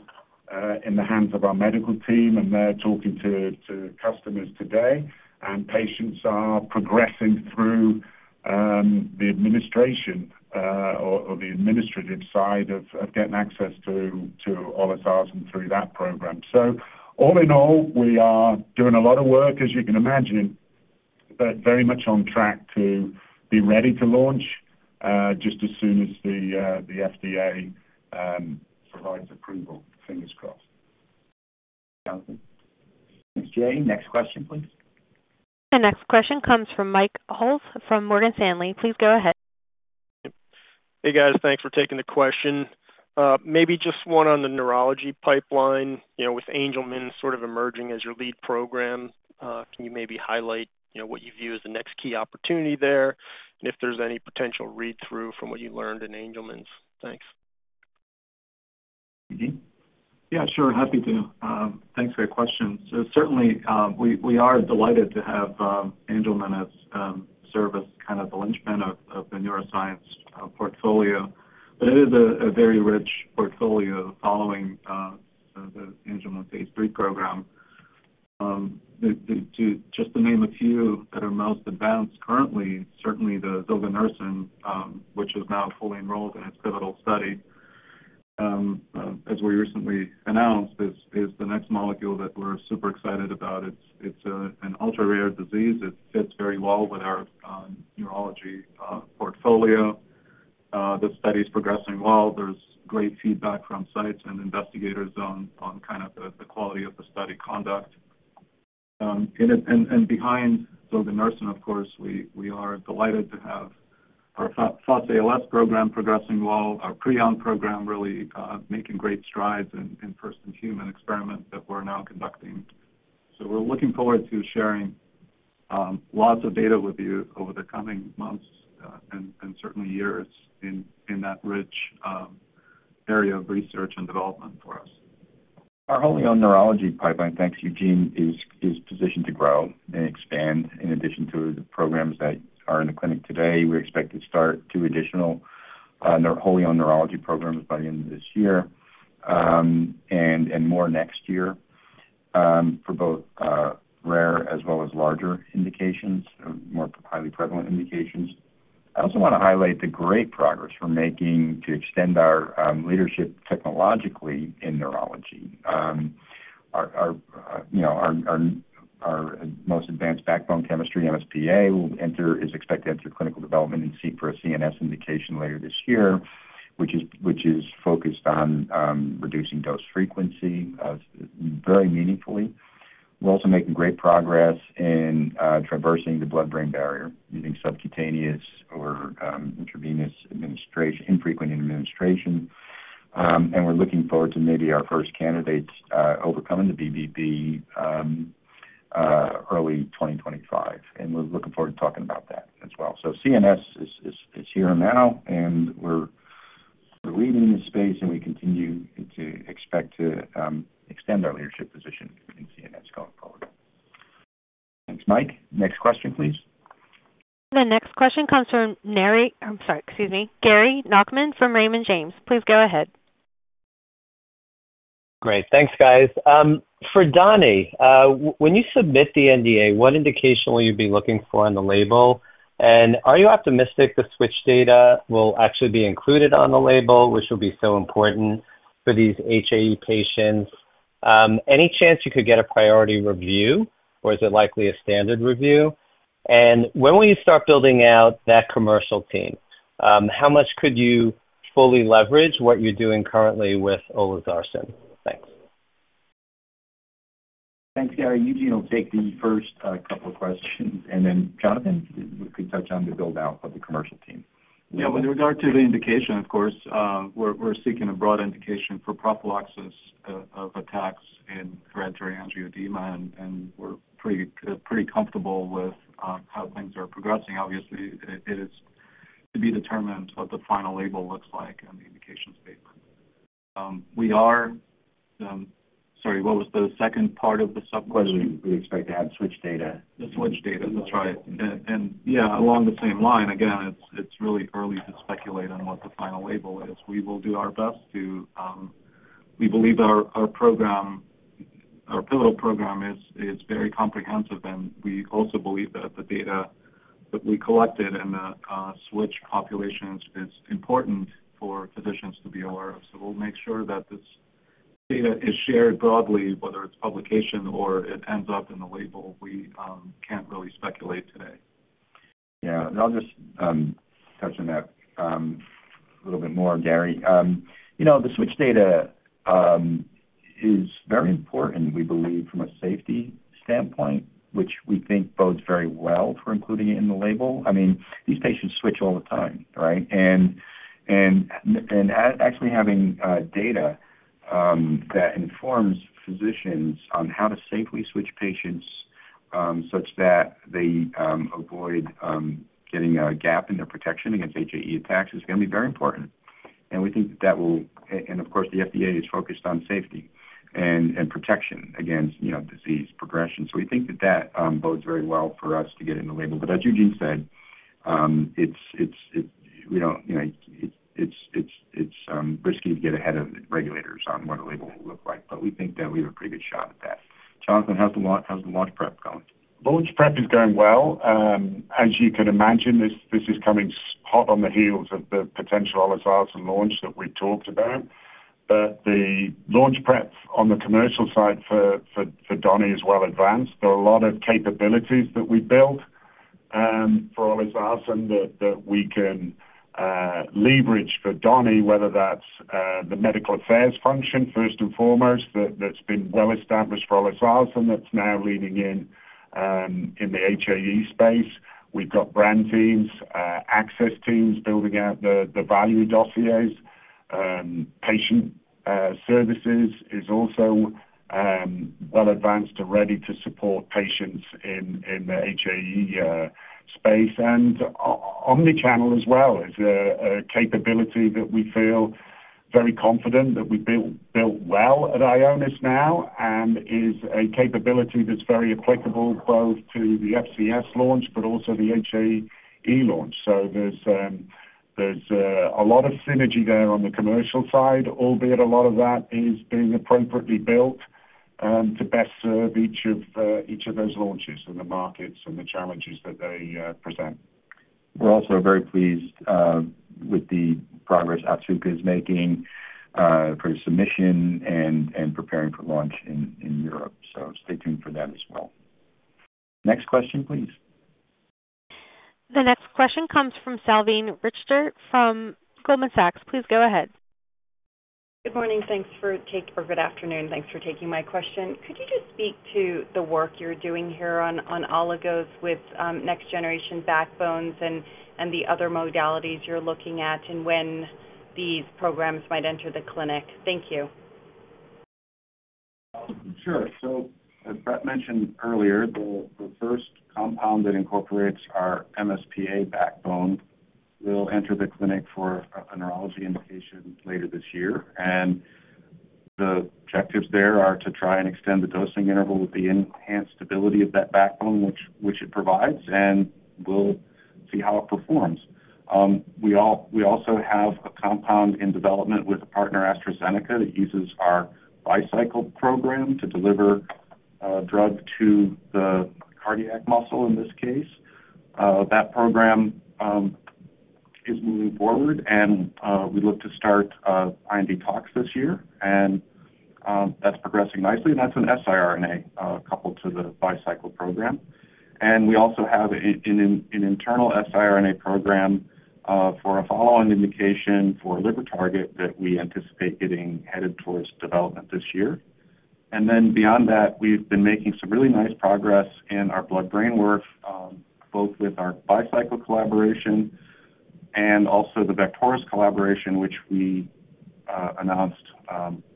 [SPEAKER 3] in the hands of our medical team, and they're talking to customers today, and patients are progressing through the administration or the administrative side of getting access to olasarsen through that program. So all in all, we are doing a lot of work, as you can imagine.... but very much on track to be ready to launch just as soon as the FDA provides approval. Fingers crossed.
[SPEAKER 17] Thank you.
[SPEAKER 3] Thanks, Jay. Next question, please.
[SPEAKER 1] The next question comes from Max Holtz from Morgan Stanley. Please go ahead.
[SPEAKER 18] Hey, guys. Thanks for taking the question. Maybe just one on the neurology pipeline. You know, with Angelman sort of emerging as your lead program, can you maybe highlight, you know, what you view as the next key opportunity there, and if there's any potential read-through from what you learned in Angelman? Thanks.
[SPEAKER 3] Eugene?
[SPEAKER 11] Yeah, sure. Happy to. Thanks for your question. So certainly, we are delighted to have Angelman serve as kind of the linchpin of the neuroscience portfolio. But it is a very rich portfolio following the Angelman phase 3 program. Just to name a few that are most advanced currently, certainly the zilganertsen, which is now fully enrolled in its pivotal study, as we recently announced, is the next molecule that we're super excited about. It's an ultra-rare disease. It fits very well with our neurology portfolio. The study's progressing well. There's great feedback from sites and investigators on kind of the quality of the study conduct. And it... And behind zilganertsen, of course, we are delighted to have our FUS ALS program progressing well, our Prion program really making great strides in first-in-human experiments that we're now conducting. So we're looking forward to sharing lots of data with you over the coming months, and certainly years in that rich area of research and development for us.
[SPEAKER 3] Our wholly owned neurology pipeline, thanks, Eugene, is positioned to grow and expand. In addition to the programs that are in the clinic today, we expect to start two additional wholly owned neurology programs by the end of this year, and more next year, for both rare as well as larger indications, or more highly prevalent indications. I also wanna highlight the great progress we're making to extend our leadership technologically in neurology. You know, our most advanced backbone chemistry, MSPA, is expected to enter clinical development for a CNS indication later this year, which is focused on reducing dose frequency very meaningfully. We're also making great progress in traversing the blood-brain barrier using subcutaneous or intravenous administration, infrequent administration. And we're looking forward to maybe our first candidates overcoming the BBB early 2025, and we're looking forward to talking about that as well. So CNS is here now, and we're leading in this space, and we continue to expect to extend our leadership position in CNS going forward. Thanks, Mike. Next question, please.
[SPEAKER 1] The next question comes from Nary... I'm sorry, excuse me, Gary Nachman from Raymond James. Please go ahead.
[SPEAKER 19] Great. Thanks, guys. For donidalorsen, when you submit the NDA, what indication will you be looking for on the label? And are you optimistic the switch data will actually be included on the label, which will be so important for these HAE patients? Any chance you could get a priority review, or is it likely a standard review? And when will you start building out that commercial team, how much could you fully leverage what you're doing currently with olasarsen? Thanks.
[SPEAKER 3] Thanks, Gary. Eugene will take the first couple of questions, and then Jonathan, you could touch on the build-out of the commercial team.
[SPEAKER 11] Yeah, with regard to the indication, of course, we're seeking a broad indication for prophylaxis of attacks in hereditary angioedema, and we're pretty comfortable with how things are progressing. Obviously, it is to be determined what the final label looks like and the indication statement. Sorry, what was the second part of the question?
[SPEAKER 3] Whether we expect to have switch data.
[SPEAKER 11] The switch data. That's right. And, yeah, along the same line, again, it's really early to speculate on what the final label is. We will do our best to. We believe our program, our pivotal program is very comprehensive, and we also believe that the data that we collected in the switch populations is important for physicians to be aware of. So we'll make sure that this data is shared broadly, whether it's publication or it ends up in the label. We can't really speculate today.
[SPEAKER 3] Yeah. And I'll just touch on that a little bit more, Gary. You know, the switch data is very important, we believe, from a safety standpoint, which we think bodes very well for including it in the label. I mean, these patients switch all the time, right? Actually having data that informs physicians on how to safely switch patients such that they avoid getting a gap in their protection against HAE attacks is gonna be very important. And we think that will... and of course, the FDA is focused on safety and protection against, you know, disease progression. So we think that that bodes very well for us to get in the label. But as Eugene said, it's we don't, you know, it's risky to get ahead of the regulators on what a label will look like, but we think that we have a pretty good shot at that. Jonathan, how's the launch prep going?
[SPEAKER 9] Launch prep is going well. As you can imagine, this, this is coming so hot on the heels of the potential olasarsen launch that we talked about. But the launch prep on the commercial side for Doni is well advanced. There are a lot of capabilities that we've built for olasarsen that we can leverage for Doni, whether that's the medical affairs function, first and foremost, that's been well established for olasarsen, that's now leaning in in the HAE space. We've got brand teams, access teams building out the value dossiers. Patient services is also well advanced and ready to support patients in the HAE space. And omnichannel as well is a capability that we feel very confident that we've built well at Ionis now, and is a capability that's very applicable both to the FCS launch, but also the HAE launch. So there's a lot of synergy there on the commercial side, albeit a lot of that is being appropriately built to best serve each of those launches and the markets and the challenges that they present.
[SPEAKER 3] We're also very pleased with the progress Otsuka is making for submission and preparing for launch in Europe. So stay tuned for that as well. Next question, please.
[SPEAKER 1] The next question comes from Salveen Richter from Goldman Sachs. Please go ahead.
[SPEAKER 20] Good morning. Thanks for taking... Or good afternoon. Thanks for taking my question. Could you just speak to the work you're doing here on, on oligos with, next generation backbones and, and the other modalities you're looking at, and when these programs might enter the clinic? Thank you.
[SPEAKER 9] Sure. So as Brett mentioned earlier, the first compound that incorporates our MSPA backbone will enter the clinic for a neurology indication later this year. And the objectives there are to try and extend the dosing interval with the enhanced stability of that backbone, which it provides, and we'll see how it performs. We also have a compound in development with a partner, AstraZeneca, that uses our bicycle program to deliver drug to the cardiac muscle in this case. That program is moving forward and we look to start IND talks this year, and that's progressing nicely. And that's an siRNA coupled to the Bicycle program. And we also have an internal siRNA program for a follow-on indication for a liver target that we anticipate getting headed towards development this year. And then beyond that, we've been making some really nice progress in our blood-brain work, both with our Bicycle collaboration and also the Vectoris collaboration, which we announced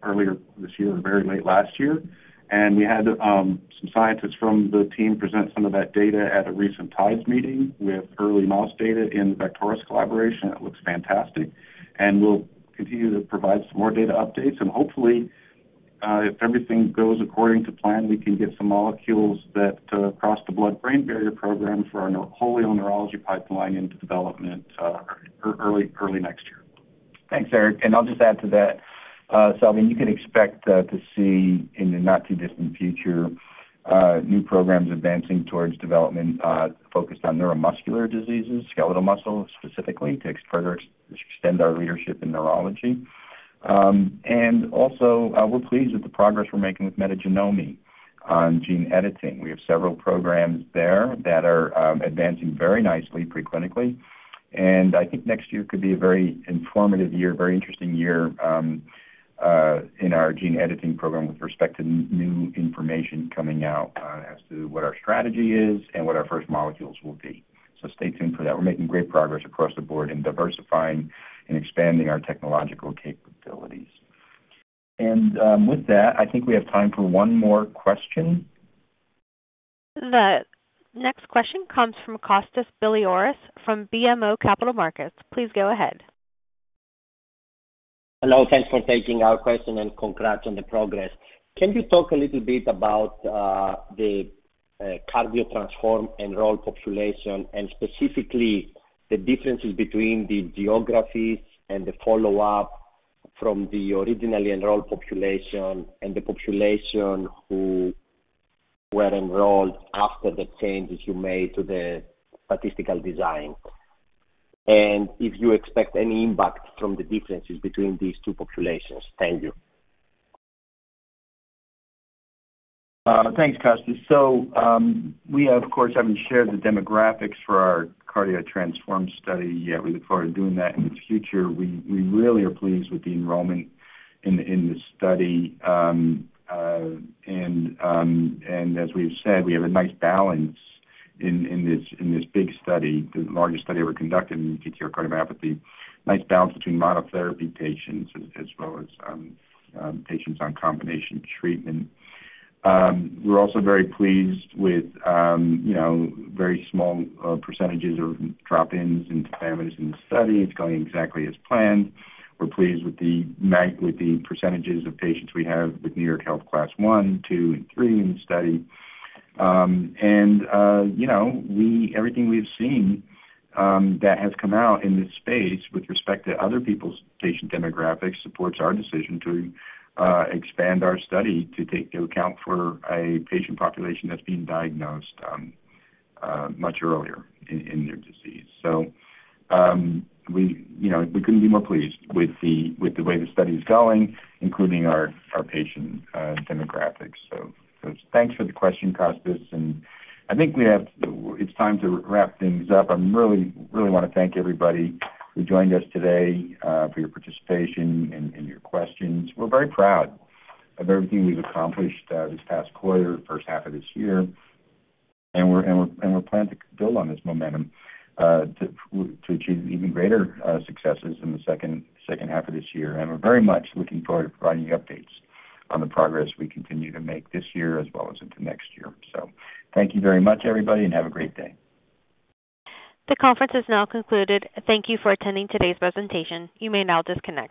[SPEAKER 9] earlier this year or very late last year. And we had some scientists from the team present some of that data at a recent TIDES meeting with early mouse data in the Vectoris collaboration. It looks fantastic, and we'll continue to provide some more data updates. And hopefully, if everything goes according to plan, we can get some molecules that cross the blood-brain barrier program for our whole neurology pipeline into development early next year. Thanks, Eric.
[SPEAKER 3] And I'll just add to that, Salveen, you can expect to see in the not-too-distant future new programs advancing towards development focused on neuromuscular diseases, skeletal muscle, specifically, to further extend our leadership in neurology. And also, we're pleased with the progress we're making with Metagenomi on gene editing. We have several programs there that are advancing very nicely pre-clinically, and I think next year could be a very informative year, a very interesting year in our gene editing program with respect to new information coming out as to what our strategy is and what our first molecules will be. So stay tuned for that. We're making great progress across the board in diversifying and expanding our technological capabilities. And with that, I think we have time for one more question.
[SPEAKER 1] The next question comes from Kostas Biliouris from BMO Capital Markets. Please go ahead.
[SPEAKER 21] Hello. Thanks for taking our question, and congrats on the progress. Can you talk a little bit about the CardioTransform enrolled population, and specifically the differences between the geographies and the follow-up from the originally enrolled population, and the population who were enrolled after the changes you made to the statistical design? If you expect any impact from the differences between these two populations. Thank you.
[SPEAKER 3] Thanks, Kostas. So, we of course haven't shared the demographics for our CardioTransform study yet. We look forward to doing that in the future. We really are pleased with the enrollment in the study. And as we've said, we have a nice balance in this big study, the largest study ever conducted in ATTR cardiomyopathy. Nice balance between monotherapy patients as well as patients on combination treatment. We're also very pleased with, you know, very small percentages of drop-ins and dropouts in the study. It's going exactly as planned. We're pleased with the percentages of patients we have with New York Heart Association Class one, two, and three in the study. And, you know, we... Everything we've seen, that has come out in this space with respect to other people's patient demographics, supports our decision to, expand our study to take into account for a patient population that's been diagnosed, much earlier in their disease. So, we, you know, we couldn't be more pleased with the way the study is going, including our patient demographics. So, thanks for the question, Kostas, and I think it's time to wrap things up. I really, really want to thank everybody who joined us today, for your participation and your questions. We're very proud of everything we've accomplished this past quarter, first half of this year, and we're planning to build on this momentum to achieve even greater successes in the second half of this year. And we're very much looking forward to providing you updates on the progress we continue to make this year as well as into next year. So thank you very much, everybody, and have a great day.
[SPEAKER 1] The conference is now concluded. Thank you for attending today's presentation. You may now disconnect.